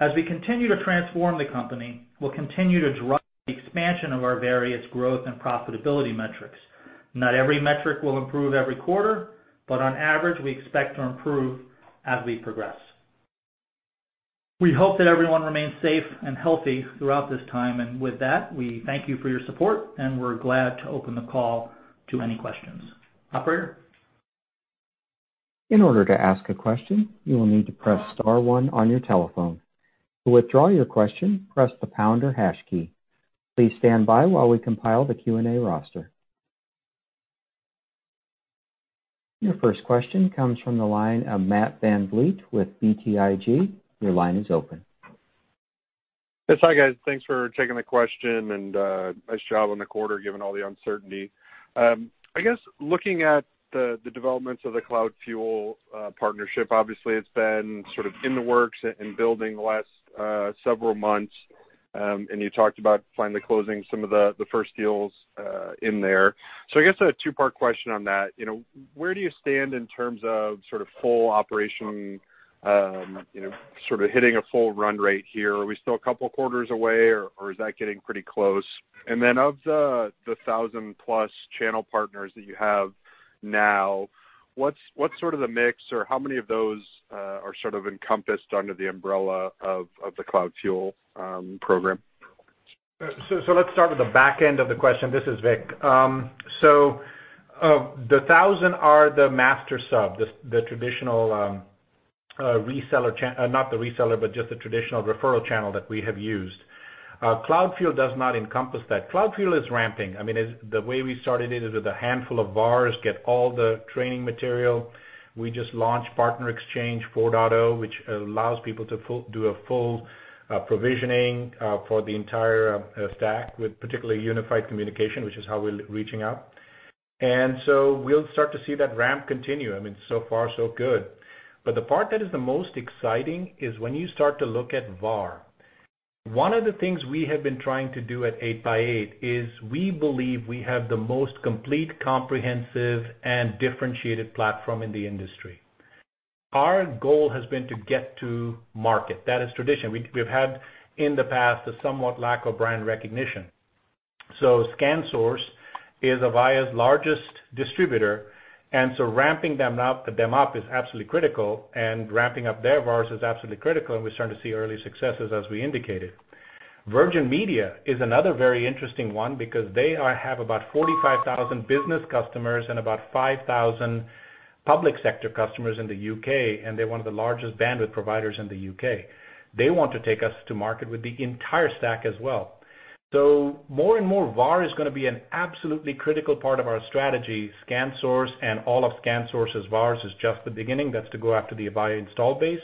As we continue to transform the company, we'll continue to drive the expansion of our various growth and profitability metrics. Not every metric will improve every quarter, but on average, we expect to improve as we progress. We hope that everyone remains safe and healthy throughout this time. With that, we thank you for your support and we're glad to open the call to any questions. Operator? In order to ask a question, you will need to press star one on your telephone. To withdraw your question, press the pound or hash key. Please stand by while we compile the Q&A roster. Your first question comes from the line of Matt VanVliet with BTIG. Your line is open. Yes. Hi, guys. Thanks for taking the question and nice job on the quarter, given all the uncertainty. I guess looking at the developments of the CloudFuel partnership, obviously, it's been sort of in the works and building the last several months. You talked about finally closing some of the first deals in there. I guess a two-part question on that. Where do you stand in terms of full operation, hitting a full run rate here? Are we still a couple quarters away or is that getting pretty close? Of the thousand plus channel partners that you have now, what's the mix or how many of those are encompassed under the umbrella of the CloudFuel program? Let's start with the back end of the question. This is Vik. The thousand are the master sub, the traditional referral channel that we have used. CloudFuel does not encompass that. CloudFuel is ramping. The way we started it is with a handful of VARs get all the training material. We just launched PartnerXchange 4.0, which allows people to do a full provisioning for the entire stack with particularly unified communication, which is how we're reaching out. We'll start to see that ramp continue. Far so good. The part that is the most exciting is when you start to look at VAR. One of the things we have been trying to do at 8x8 is we believe we have the most complete, comprehensive, and differentiated platform in the industry. Our goal has been to get to market. That is tradition. We've had in the past a somewhat lack of brand recognition. ScanSource is Avaya's largest distributor, and so ramping them up is absolutely critical, and ramping up their VARs is absolutely critical, and we're starting to see early successes as we indicated. Virgin Media is another very interesting one because they have about 45,000 business customers and about 5,000 public sector customers in the U.K., and they're one of the largest bandwidth providers in the U.K. They want to take us to market with the entire stack as well. More and more, VAR is going to be an absolutely critical part of our strategy. ScanSource and all of ScanSource's VARs is just the beginning. That's to go after the Avaya install base.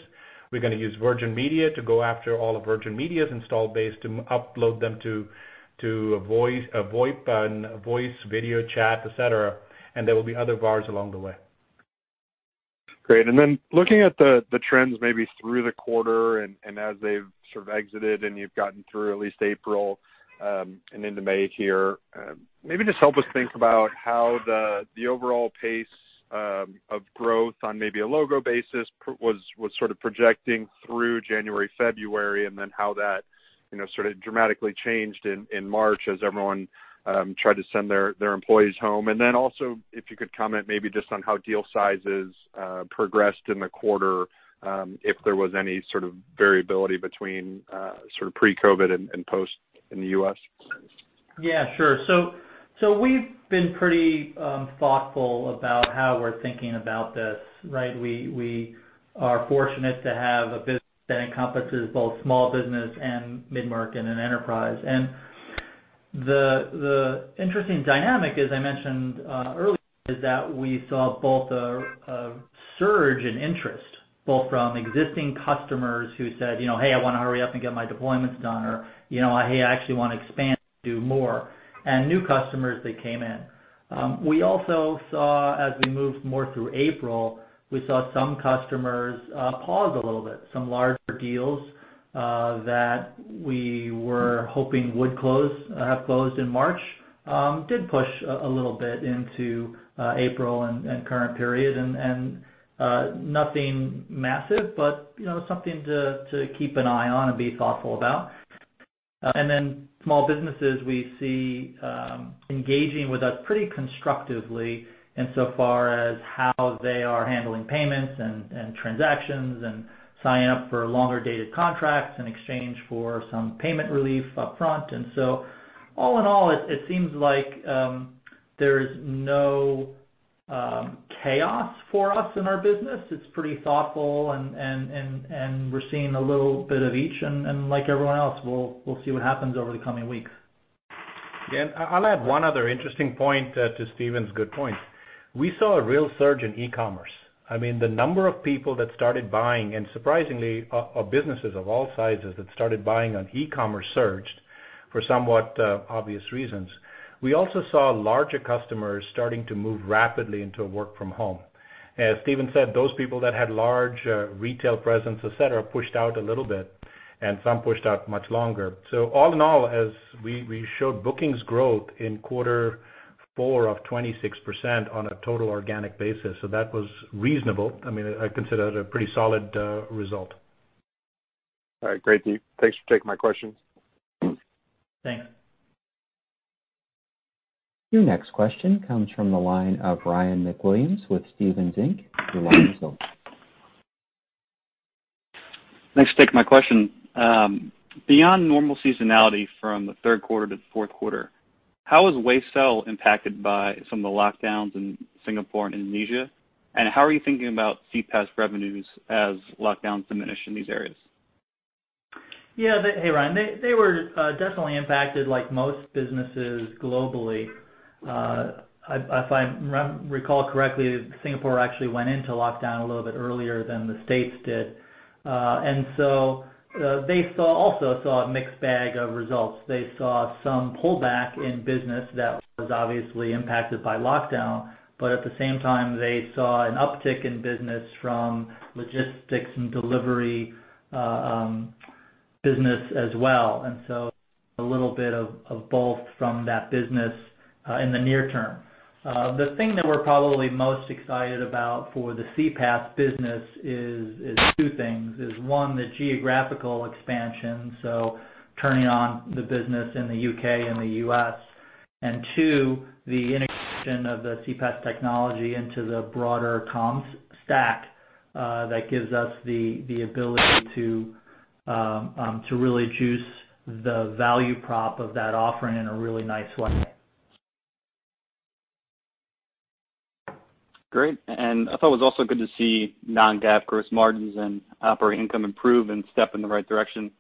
We're going to use Virgin Media to go after all of Virgin Media's install base to upload them to voice, video, chat, et cetera, and there will be other VARs along the way. Great. Looking at the trends maybe through the quarter and as they've exited and you've gotten through at least April and into May here, maybe just help us think about how the overall pace of growth on maybe a logo basis was projecting through January, February, and then how that dramatically changed in March as everyone tried to send their employees home. Also, if you could comment maybe just on how deal sizes progressed in the quarter, if there was any sort of variability between pre-COVID and post in the U.S. Yeah, sure. We've been pretty thoughtful about how we're thinking about this. We are fortunate to have a business that encompasses both small business and mid-market and enterprise. The interesting dynamic, as I mentioned earlier, is that we saw both a surge in interest, both from existing customers who said, "Hey, I want to hurry up and get my deployments done," or, "Hey, I actually want to expand and do more," and new customers that came in. We also saw as we moved more through April, we saw some customers pause a little bit. Some larger deals that we were hoping would close have closed in March did push a little bit into April and current period, and nothing massive, but something to keep an eye on and be thoughtful about. small businesses we see engaging with us pretty constructively in so far as how they are handling payments and transactions and signing up for longer dated contracts in exchange for some payment relief up front. all in all, it seems like there's no chaos for us in our business. It's pretty thoughtful and we're seeing a little bit of each, and like everyone else, we'll see what happens over the coming weeks. I'll add one other interesting point to Steven's good point. We saw a real surge in e-commerce. The number of people that started buying, and surprisingly, of businesses of all sizes that started buying on e-commerce surged for somewhat obvious reasons. We also saw larger customers starting to move rapidly into work from home. As Steven said, those people that had large retail presence, et cetera, pushed out a little bit, and some pushed out much longer. All in all, as we showed bookings growth in quarter four of 26% on a total organic basis. That was reasonable. I consider that a pretty solid result. All right. Great. Thanks for taking my questions. Thanks. Your next question comes from the line of Ryan McWilliams with Stephens Inc. Your line is open. Thanks for taking my question. Beyond normal seasonality from the third quarter to the fourth quarter, how is Wavecell impacted by some of the lockdowns in Singapore and Indonesia? How are you thinking about CPaaS revenues as lockdowns diminish in these areas? Yeah. Hey, Ryan. They were definitely impacted like most businesses globally. If I recall correctly, Singapore actually went into lockdown a little bit earlier than the States did. They also saw a mixed bag of results. They saw some pullback in business that was obviously impacted by lockdown. At the same time, they saw an uptick in business from logistics and delivery business as well. A little bit of both from that business in the near term. The thing that we're probably most excited about for the CPaaS business is two things, is one, the geographical expansion, so turning on the business in the U.K. and the U.S., and two, the integration of the CPaaS technology into the broader comms stack, that gives us the ability to really juice the value prop of that offering in a really nice way. Great. I thought it was also good to see non-GAAP gross margins and operating income improve and step in the right direction.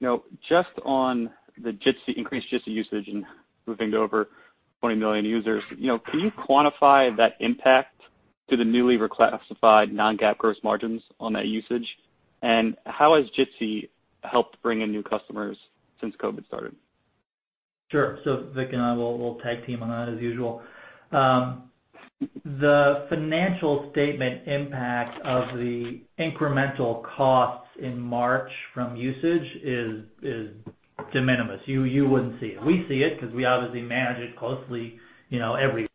Now, just on the increased Jitsi usage and moving to over 20 million users, can you quantify that impact to the newly reclassified non-GAAP gross margins on that usage? How has Jitsi helped bring in new customers since COVID started? Sure. Vik and I will tag team on that as usual. The financial statement impact of the incremental costs in March from usage is de minimis. You wouldn't see it. We see it because we obviously manage it closely every.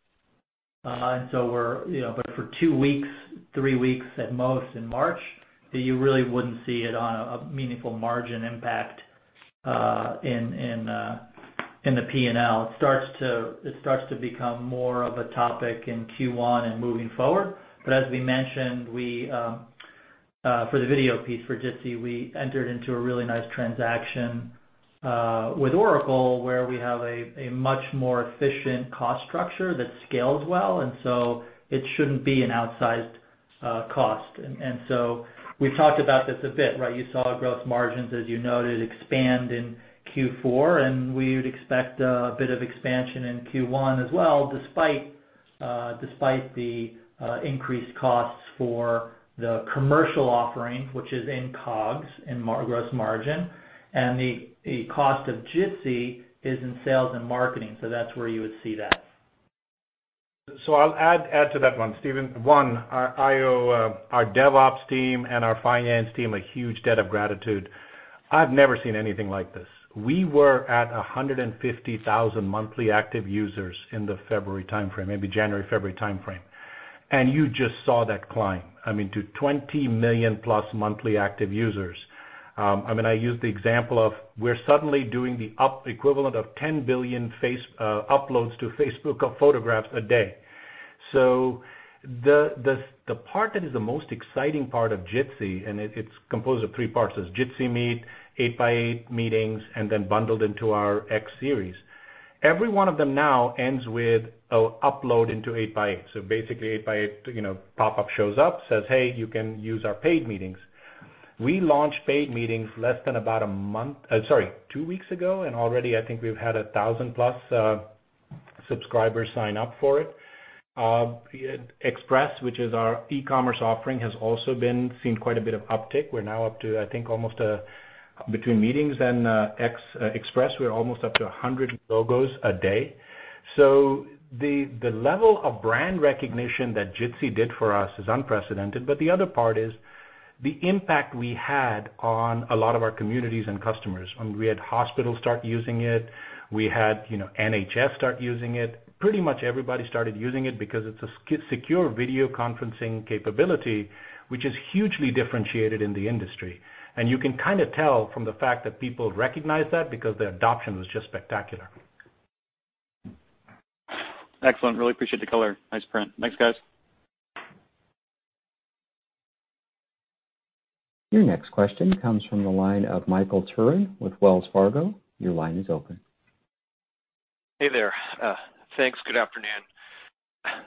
For two weeks, three weeks at most in March, you really wouldn't see it on a meaningful margin impact in the P&L. It starts to become more of a topic in Q1 and moving forward. As we mentioned, for the video piece for Jitsi, we entered into a really nice transaction with Oracle, where we have a much more efficient cost structure that scales well. It shouldn't be an outsized cost. We've talked about this a bit, right? You saw gross margins, as you noted, expand in Q4, and we would expect a bit of expansion in Q1 as well, despite the increased costs for the commercial offering, which is in COGS, in gross margin. The cost of Jitsi is in sales and marketing, so that's where you would see that. I'll add to that one, Steven. One, our IO, our DevOps team, and our finance team, a huge debt of gratitude. I've never seen anything like this. We were at 150,000 monthly active users in the February timeframe, maybe January-February timeframe. You just saw that climb, I mean, to 20 million-plus monthly active users. I use the example of we're suddenly doing the equivalent of 10 billion uploads to Facebook of photographs a day. The part that is the most exciting part of Jitsi, and it's composed of three parts, is Jitsi Meet, 8x8 Meetings, and then bundled into our X Series. Every one of them now ends with a upload into 8x8. Basically, 8x8 pop-up shows up, says, "Hey, you can use our paid meetings." We launched paid meetings less than about two weeks ago, and already I think we've had 1,000+ subscribers sign up for it. Express, which is our e-commerce offering, has also been seeing quite a bit of uptick. We're now up to, I think, almost between Meetings and Express, we're almost up to 100 logos a day. The level of brand recognition that Jitsi did for us is unprecedented. The other part is the impact we had on a lot of our communities and customers. We had hospitals start using it. We had NHS start using it. Pretty much everybody started using it because it's a secure video conferencing capability, which is hugely differentiated in the industry. You can kind of tell from the fact that people recognize that because their adoption was just spectacular. Excellent. Really appreciate the color. Nice print. Thanks, guys. Your next question comes from the line of Michael Turrin with Wells Fargo. Your line is open. Hey there. Thanks. Good afternoon. I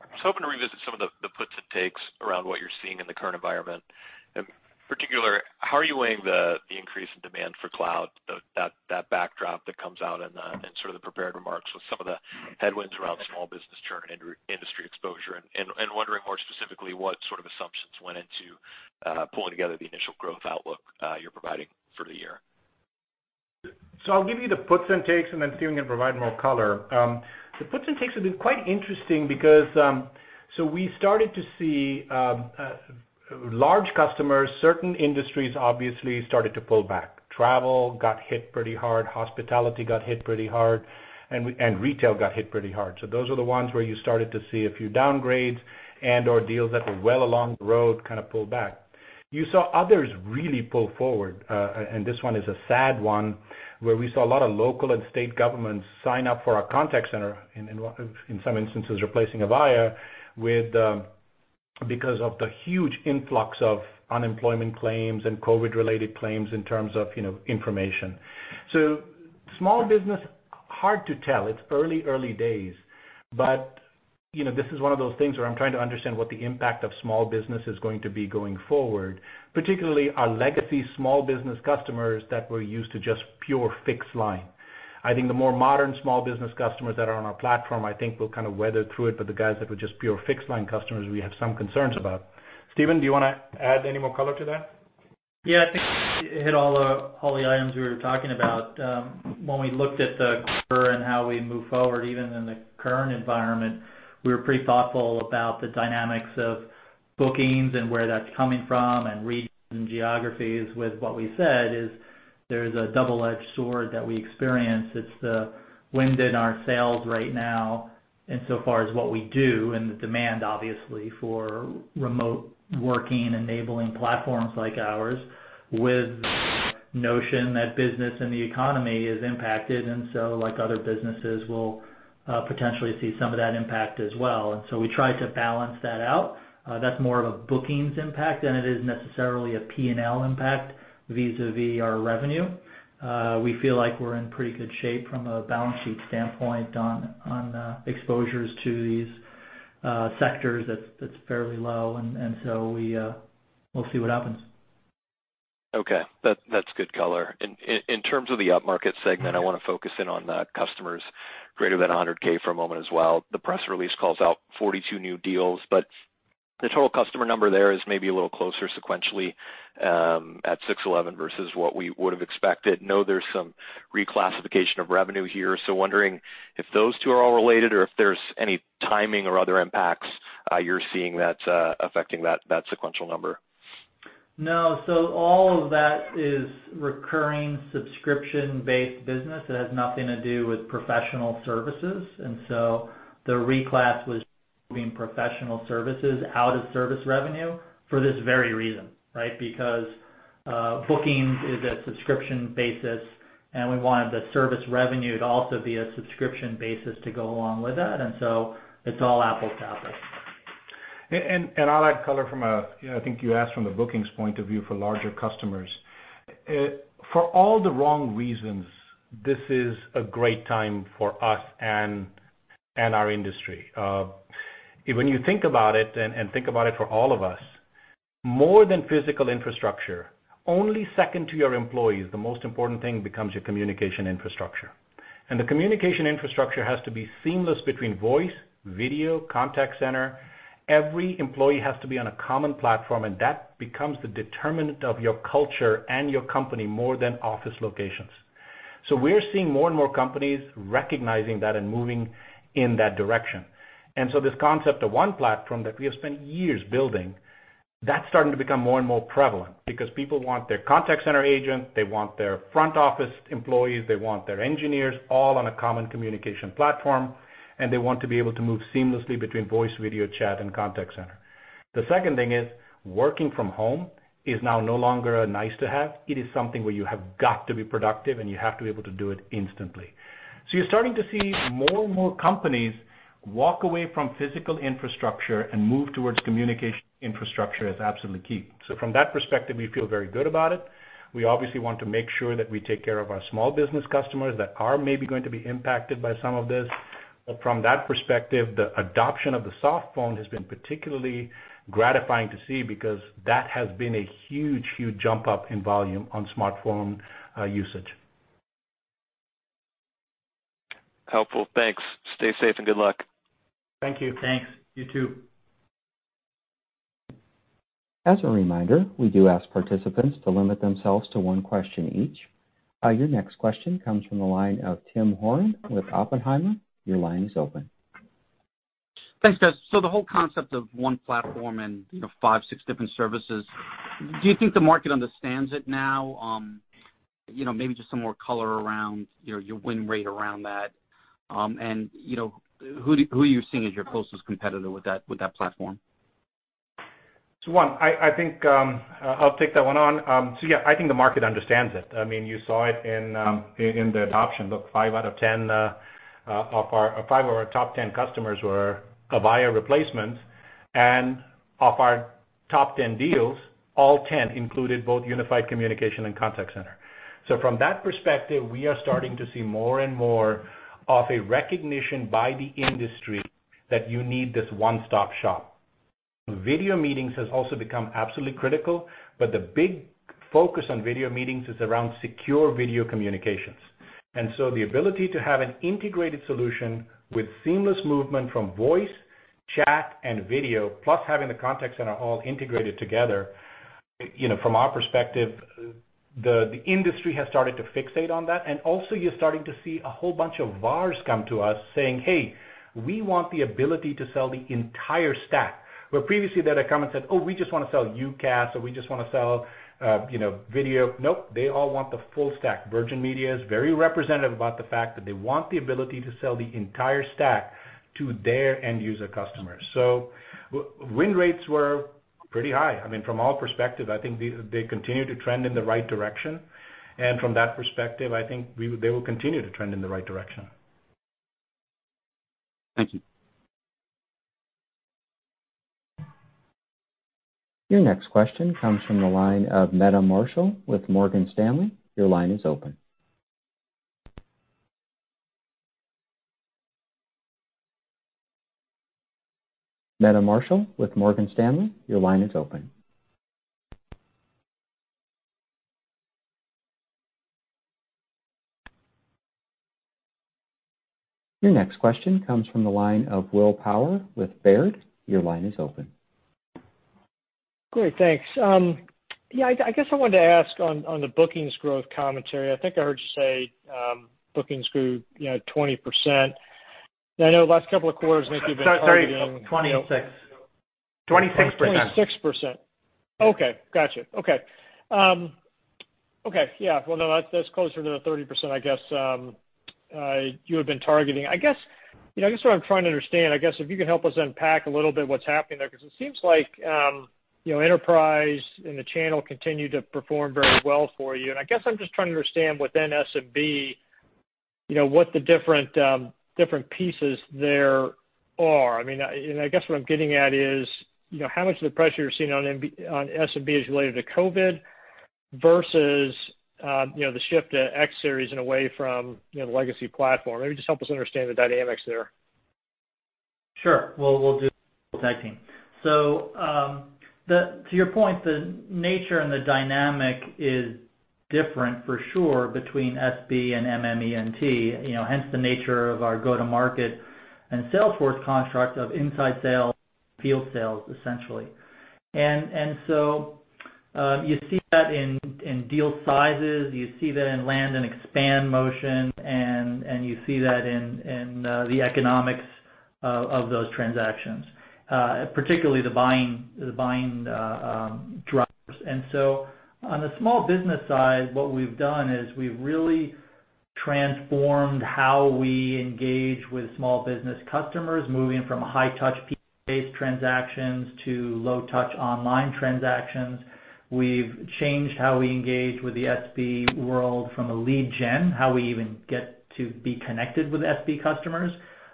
was hoping to revisit some of the puts and takes around what you're seeing in the current environment. In particular, how are you weighing the increase in demand for cloud, that backdrop that comes out in the prepared remarks with some of the headwinds around small business churn and industry exposure? Wondering more specifically what sort of assumptions went into pulling together the initial growth outlook you're providing for the year. I'll give you the puts and takes, and then Steven can provide more color. The puts and takes have been quite interesting because we started to see large customers, certain industries obviously started to pull back. Travel got hit pretty hard, hospitality got hit pretty hard, and retail got hit pretty hard. Those are the ones where you started to see a few downgrades and/or deals that were well along the road kind of pull back. You saw others really pull forward, and this one is a sad one, where we saw a lot of local and state governments sign up for our contact center, in some instances replacing Avaya, because of the huge influx of unemployment claims and COVID-related claims in terms of information. Small business. Hard to tell. It's early days. this is one of those things where I'm trying to understand what the impact of small business is going to be going forward, particularly our legacy small business customers that were used to just pure fixed line. I think the more modern small business customers that are on our platform, I think will kind of weather through it, but the guys that were just pure fixed line customers, we have some concerns about. Steven, do you want to add any more color to that? Yeah, I think you hit all the items we were talking about. When we looked at the quarter and how we move forward, even in the current environment, we were pretty thoughtful about the dynamics of bookings and where that's coming from and regions and geographies with what we said is there is a double-edged sword that we experience. It's the wind in our sails right now insofar as what we do and the demand, obviously, for remote working, enabling platforms like ours, with the notion that business and the economy is impacted, and so like other businesses, we'll potentially see some of that impact as well. We try to balance that out. That's more of a bookings impact than it is necessarily a P&L impact vis-à-vis our revenue. We feel like we're in pretty good shape from a balance sheet standpoint on exposures to these sectors that's fairly low, and so we'll see what happens. Okay. That's good color. In terms of the upmarket segment, I want to focus in on the customers greater than 100,000 for a moment as well. The press release calls out 42 new deals, but the total customer number there is maybe a little closer sequentially, at 611 versus what we would've expected. I know there's some reclassification of revenue here, so wondering if those two are all related or if there's any timing or other impacts you're seeing that's affecting that sequential number. No, all of that is recurring subscription-based business. It has nothing to do with professional services. The reclass was moving professional services out of service revenue for this very reason, right? Because bookings is a subscription basis, and we wanted the service revenue to also be a subscription basis to go along with that. It's all apples to apples. I'll add color I think you asked from the bookings point of view for larger customers. For all the wrong reasons, this is a great time for us and our industry. When you think about it, and think about it for all of us, more than physical infrastructure, only second to your employees, the most important thing becomes your communication infrastructure. The communication infrastructure has to be seamless between voice, video, contact center. Every employee has to be on a common platform, and that becomes the determinant of your culture and your company, more than office locations. We're seeing more and more companies recognizing that and moving in that direction. this concept of One Platform that we have spent years building, that's starting to become more and more prevalent because people want their contact center agent, they want their front office employees, they want their engineers all on a common communication platform, and they want to be able to move seamlessly between voice, video, chat, and contact center. The second thing is working from home is now no longer a nice-to-have. It is something where you have got to be productive, and you have to be able to do it instantly. you're starting to see more and more companies walk away from physical infrastructure and move towards communication infrastructure as absolutely key. from that perspective, we feel very good about it. We obviously want to make sure that we take care of our small business customers that are maybe going to be impacted by some of this. from that perspective, the adoption of the soft phone has been particularly gratifying to see because that has been a huge jump up in volume on smartphone usage. Helpful. Thanks. Stay safe and good luck. Thank you. Thanks. You too. As a reminder, we do ask participants to limit themselves to one question each. Your next question comes from the line of Timothy Horan with Oppenheimer. Your line is open. Thanks, guys. The whole concept of One Platform and five, six different services, do you think the market understands it now? Maybe just some more color around your win rate around that. Who are you seeing as your closest competitor with that platform? One, I think I'll take that one on. Yeah, I think the market understands it. You saw it in the adoption. Look, five out of our top 10 customers were Avaya replacements, and of our top 10 deals, all 10 included both unified communication and contact center. From that perspective, we are starting to see more and more of a recognition by the industry that you need this one-stop shop. Video meetings has also become absolutely critical, but the big focus on video meetings is around secure video communications. The ability to have an integrated solution with seamless movement from voice, chat, and video, plus having the contact center all integrated together, from our perspective, the industry has started to fixate on that. Also you're starting to see a whole bunch of VARs come to us saying, "Hey, we want the ability to sell the entire stack." Where previously they'd have come and said, "Oh, we just want to sell UCaaS," or, "We just want to sell video." Nope. They all want the full stack. Virgin Media is very representative about the fact that they want the ability to sell the entire stack to their end user customers. Win rates were pretty high. From our perspective, I think they continue to trend in the right direction. From that perspective, I think they will continue to trend in the right direction. Thank you. Your next question comes from the line of Meta Marshall with Morgan Stanley. Your line is open. Meta Marshall with Morgan Stanley, your line is open. Your next question comes from the line of William Power with Baird. Your line is open. Great. Thanks. Yeah, I guess I wanted to ask on the bookings growth commentary, I think I heard you say bookings grew 20%. I know the last couple of quarters maybe you've been targeting- Sorry, 26%. 26%. Okay, got you. Okay. Yeah. Well, no, that's closer to the 30%, I guess, you had been targeting. I guess what I'm trying to understand, I guess if you could help us unpack a little bit what's happening there, because it seems like enterprise and the channel continue to perform very well for you. I guess I'm just trying to understand within SMB what the different pieces there are. I guess what I'm getting at is how much of the pressure you're seeing on SMB is related to COVID-19 versus the shift to X Series and away from the legacy platform? Maybe just help us understand the dynamics there. Sure. We'll do tag team. To your point, the nature and the dynamic is different for sure between SB and MM&E, hence the nature of our go-to-market and sales force construct of inside sales, field sales, essentially. You see that in deal sizes, you see that in land and expand motion, and you see that in the economics of those transactions, particularly the buying drivers. On the small business side, what we've done is we've really transformed how we engage with small business customers moving from high-touch, peak-based transactions to low-touch online transactions. We've changed how we engage with the SB world from a lead gen, how we even get to be connected with SB customers.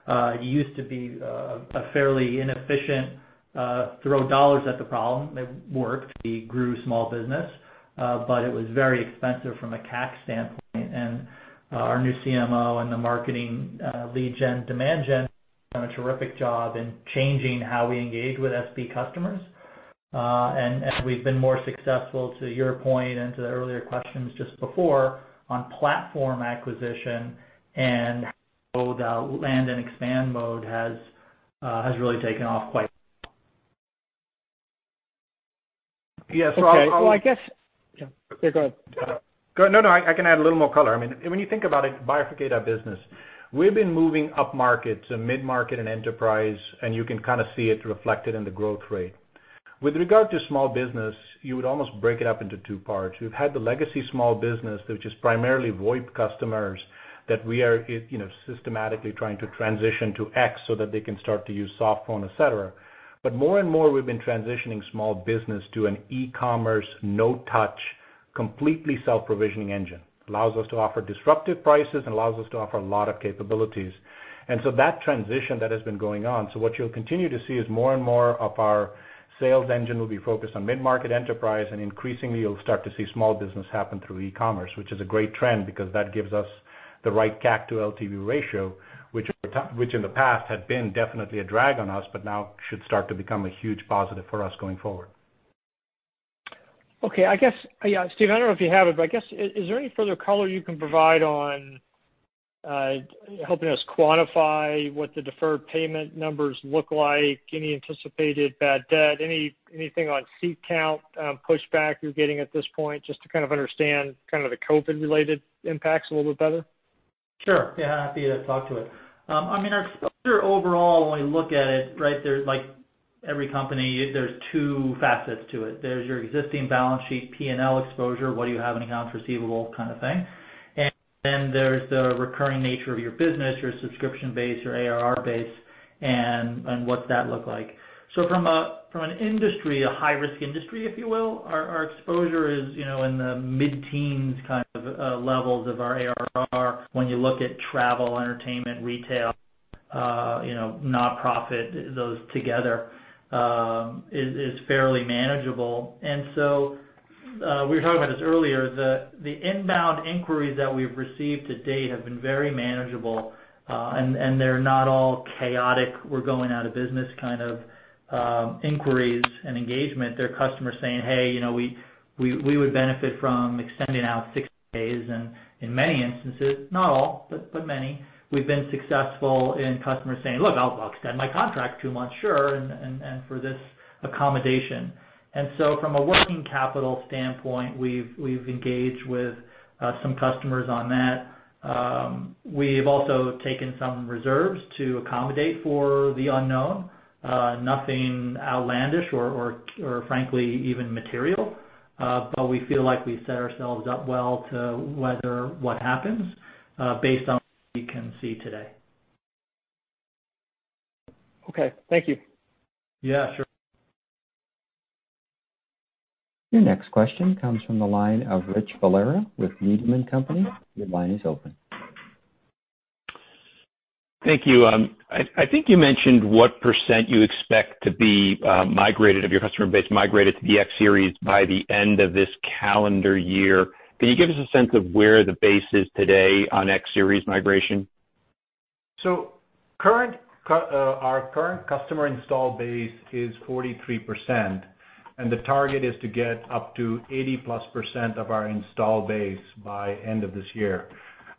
It used to be a fairly inefficient throw dollars at the problem. It worked. We grew small business. It was very expensive from a CAC standpoint, and our new CMO and the marketing lead gen, demand gen, have done a terrific job in changing how we engage with SB customers. We've been more successful, to your point and to the earlier questions just before, on platform acquisition and land and expand mode has really taken off. Yeah. Yeah, go ahead. No, I can add a little more color. When you think about it, bifurcate our business, we've been moving up market to Mid-Market & Enterprise, you can kind of see it reflected in the growth rate. With regard to small business, you would almost break it up into two parts. We've had the legacy small business, which is primarily VoIP customers that we are systematically trying to transition to X Series so that they can start to use soft phone, et cetera. More and more, we've been transitioning small business to an e-commerce, no-touch, completely self-provisioning engine. Allows us to offer disruptive prices and allows us to offer a lot of capabilities. That transition that has been going on. What you'll continue to see is more and more of our sales engine will be focused on Mid-Market Enterprise, and increasingly you'll start to see small business happen through e-commerce, which is a great trend because that gives us the right CAC to LTV ratio, which in the past had been definitely a drag on us but now should start to become a huge positive for us going forward. Okay. Steve, I don't know if you have it, but I guess is there any further color you can provide on helping us quantify what the deferred payment numbers look like? Any anticipated bad debt? Anything on seat count pushback you're getting at this point, just to kind of understand the COVID-19-related impacts a little bit better? Sure. Yeah, happy to talk to it. Our exposure overall when we look at it, like every company, there's two facets to it. There's your existing balance sheet P&L exposure, what do you have in accounts receivable kind of thing. There's the recurring nature of your business, your subscription base, your ARR base, and what's that look like. From an industry, a high-risk industry if you will, our exposure is in the mid-teens kind of levels of our ARR when you look at travel, entertainment, retail, nonprofit, those together, is fairly manageable. We were talking about this earlier, the inbound inquiries that we've received to date have been very manageable, and they're not all chaotic, we're going out of business kind of inquiries and engagement. They're customers saying, "Hey, we would benefit from extending out 60 days." In many instances, not all, but many, we've been successful in customers saying, "Look, I'll extend my contract two months, sure, and for this accommodation." From a working capital standpoint, we've engaged with some customers on that. We've also taken some reserves to accommodate for the unknown. Nothing outlandish or frankly even material. We feel like we set ourselves up well to weather what happens based on what we can see today. Okay. Thank you. Yeah, sure. Your next question comes from the line of Rich Valera with Needham & Company. Your line is open Thank you. I think you mentioned what % you expect to be migrated, of your customer base migrated to the X Series by the end of this calendar year. Can you give us a sense of where the base is today on X Series migration? Our current customer install base is 43%, and the target is to get up to 80%+ of our install base by end of this year.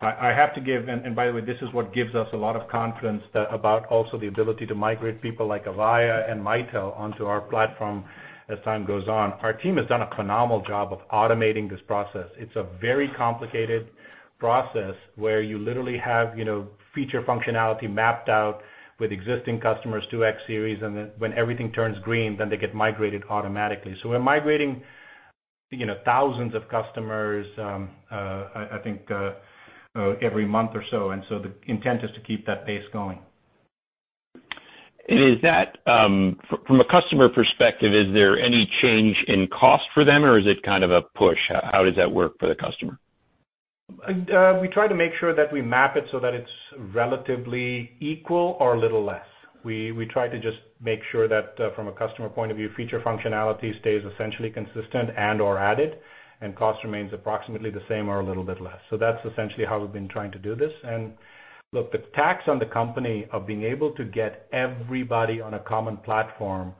By the way, this is what gives us a lot of confidence about also the ability to migrate people like Avaya and Mitel onto our platform as time goes on. Our team has done a phenomenal job of automating this process. It's a very complicated process where you literally have feature functionality mapped out with existing customers to X Series, and then when everything turns green, then they get migrated automatically. We're migrating thousands of customers, I think, every month or so. The intent is to keep that pace going. From a customer perspective, is there any change in cost for them, or is it kind of a push? How does that work for the customer? We try to make sure that we map it so that it's relatively equal or a little less. We try to just make sure that from a customer point of view, feature functionality stays essentially consistent and/or added, and cost remains approximately the same or a little bit less. That's essentially how we've been trying to do this. Look, the tax on the company of being able to get everybody on a common platform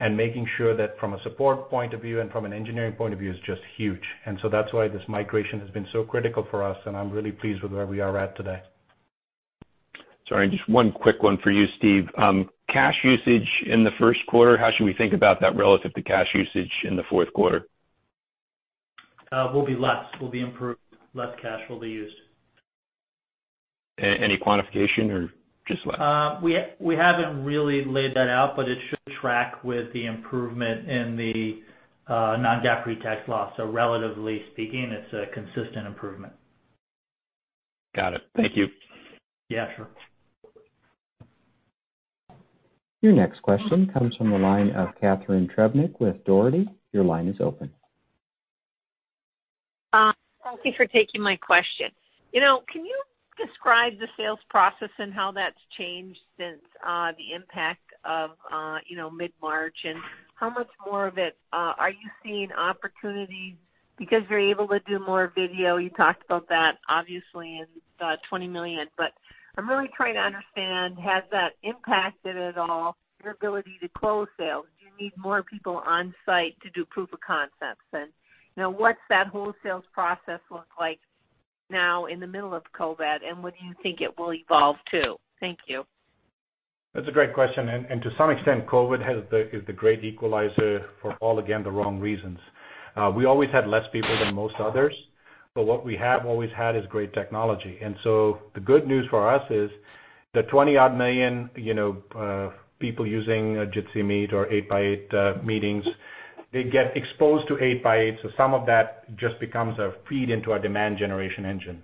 and making sure that from a support point of view and from an engineering point of view is just huge. That's why this migration has been so critical for us, and I'm really pleased with where we are at today. Sorry, just one quick one for you, Steve. Cash usage in the first quarter, how should we think about that relative to cash usage in the fourth quarter? Will be less, will be improved. Less cash will be used. Any quantification or just less? We haven't really laid that out, but it should track with the improvement in the non-GAAP pre-tax loss. Relatively speaking, it's a consistent improvement. Got it. Thank you. Yeah, sure. Your next question comes from the line of Catharine Trebnick with Dougherty. Your line is open. Thank you for taking my question. Can you describe the sales process and how that's changed since the impact of mid-March? How much more of it are you seeing opportunities because you're able to do more video? You talked about that obviously in 20 million, but I'm really trying to understand, has that impacted at all your ability to close sales? Do you need more people on site to do proof of concepts? What's that whole sales process look like now in the middle of COVID, and what do you think it will evolve to? Thank you. That's a great question. To some extent, COVID is the great equalizer for all, again, the wrong reasons. We always had less people than most others, but what we have always had is great technology. The good news for us is the 20 odd million people using a Jitsi Meet or 8x8 Meetings, they get exposed to 8x8, so some of that just becomes a feed into our demand generation engine.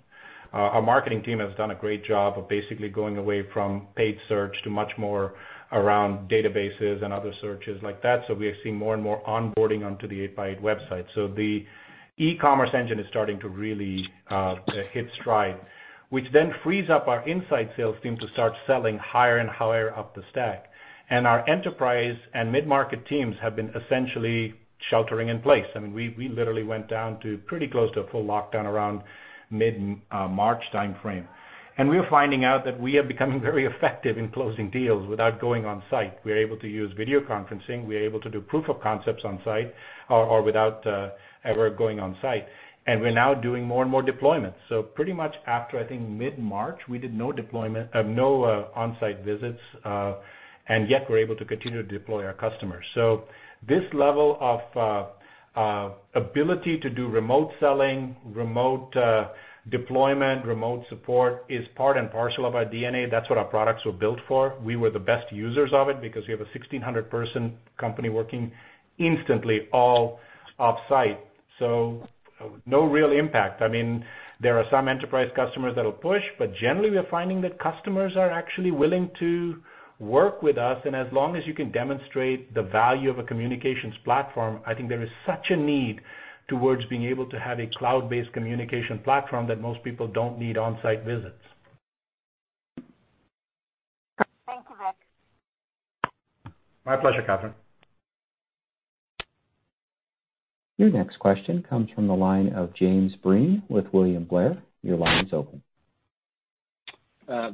Our marketing team has done a great job of basically going away from paid search to much more around databases and other searches like that. We are seeing more and more onboarding onto the 8x8 website. The e-commerce engine is starting to really hit stride, which then frees up our inside sales team to start selling higher and higher up the stack. Our enterprise and mid-market teams have been essentially sheltering in place. I mean, we literally went down to pretty close to a full lockdown around mid-March timeframe. we're finding out that we are becoming very effective in closing deals without going on site. We're able to use video conferencing. We're able to do proof of concepts on site or without ever going on site. we're now doing more and more deployments. pretty much after, I think mid-March, we did no onsite visits, and yet we're able to continue to deploy our customers. this level of ability to do remote selling, remote deployment, remote support is part and parcel of our DNA. That's what our products were built for. We were the best users of it because we have a 1,600-person company working instantly all offsite. no real impact. I mean, there are some enterprise customers that'll push, but generally, we are finding that customers are actually willing to work with us. As long as you can demonstrate the value of a communications platform, I think there is such a need towards being able to have a cloud-based communication platform that most people don't need on-site visits. Thank you, Vik. My pleasure, Catharine. Your next question comes from the line of James Breen with William Blair. Your line is open.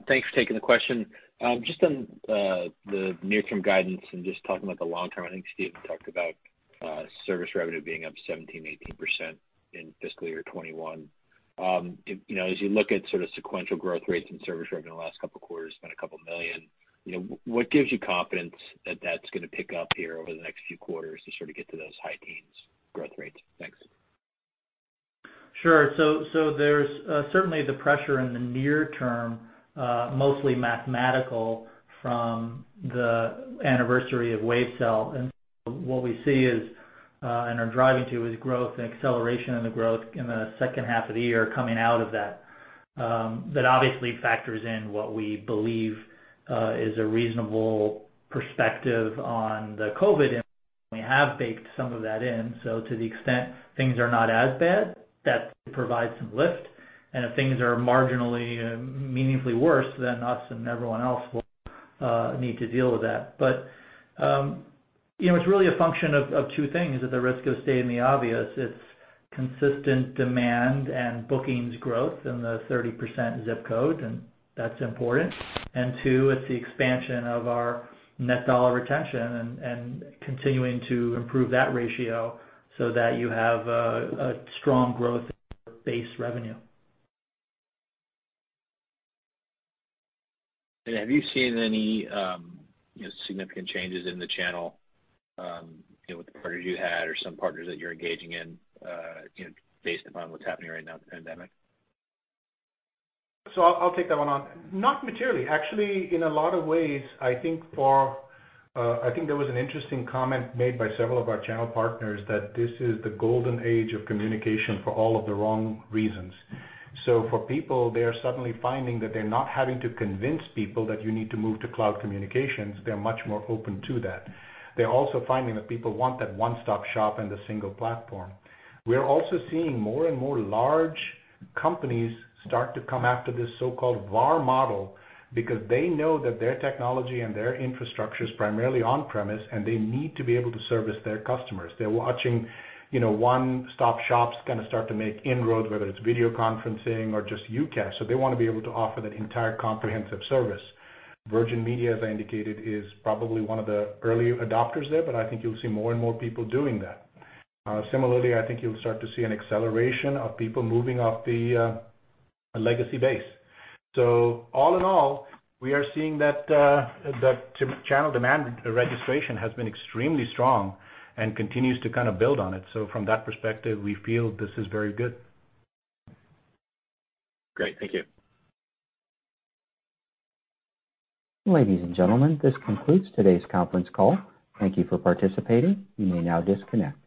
Thanks for taking the question. Just on the near-term guidance and just talking about the long term, I think Steve talked about service revenue being up 17%, 18% in fiscal year 2021. As you look at sort of sequential growth rates and service revenue in the last couple of quarters, it's been a couple million. What gives you confidence that that's going to pick up here over the next few quarters to sort of get to those high teens growth rates? Thanks. Sure. there's certainly the pressure in the near term, mostly mathematical from the anniversary of Wavecell. what we see is, and are driving to, is growth and acceleration in the growth in the second half of the year coming out of that. That obviously factors in what we believe is a reasonable perspective on the COVID. We have baked some of that in, so to the extent things are not as bad, that should provide some lift. if things are marginally meaningfully worse, then us and everyone else will need to deal with that. it's really a function of two things, at the risk of stating the obvious. It's consistent demand and bookings growth in the 30% ZIP code, and that's important. two, it's the expansion of our net dollar retention and continuing to improve that ratio so that you have a strong growth in your base revenue. Have you seen any significant changes in the channel, with the partners you had or some partners that you're engaging in, based upon what's happening right now with the pandemic? I'll take that one on. Not materially. Actually, in a lot of ways, I think there was an interesting comment made by several of our channel partners that this is the golden age of communication for all of the wrong reasons. For people, they are suddenly finding that they're not having to convince people that you need to move to cloud communications. They're much more open to that. They're also finding that people want that one-stop shop and a single platform. We're also seeing more and more large companies start to come after this so-called VAR model because they know that their technology and their infrastructure is primarily on-premise, and they need to be able to service their customers. They're watching one-stop shops kind of start to make inroads, whether it's video conferencing or just UCaaS. They want to be able to offer that entire comprehensive service. Virgin Media, as I indicated, is probably one of the early adopters there, but I think you'll see more and more people doing that. Similarly, I think you'll start to see an acceleration of people moving off the legacy base. All in all, we are seeing that the channel demand registration has been extremely strong and continues to kind of build on it. From that perspective, we feel this is very good. Great. Thank you. Ladies and gentlemen, this concludes today's conference call. Thank you for participating. You may now disconnect.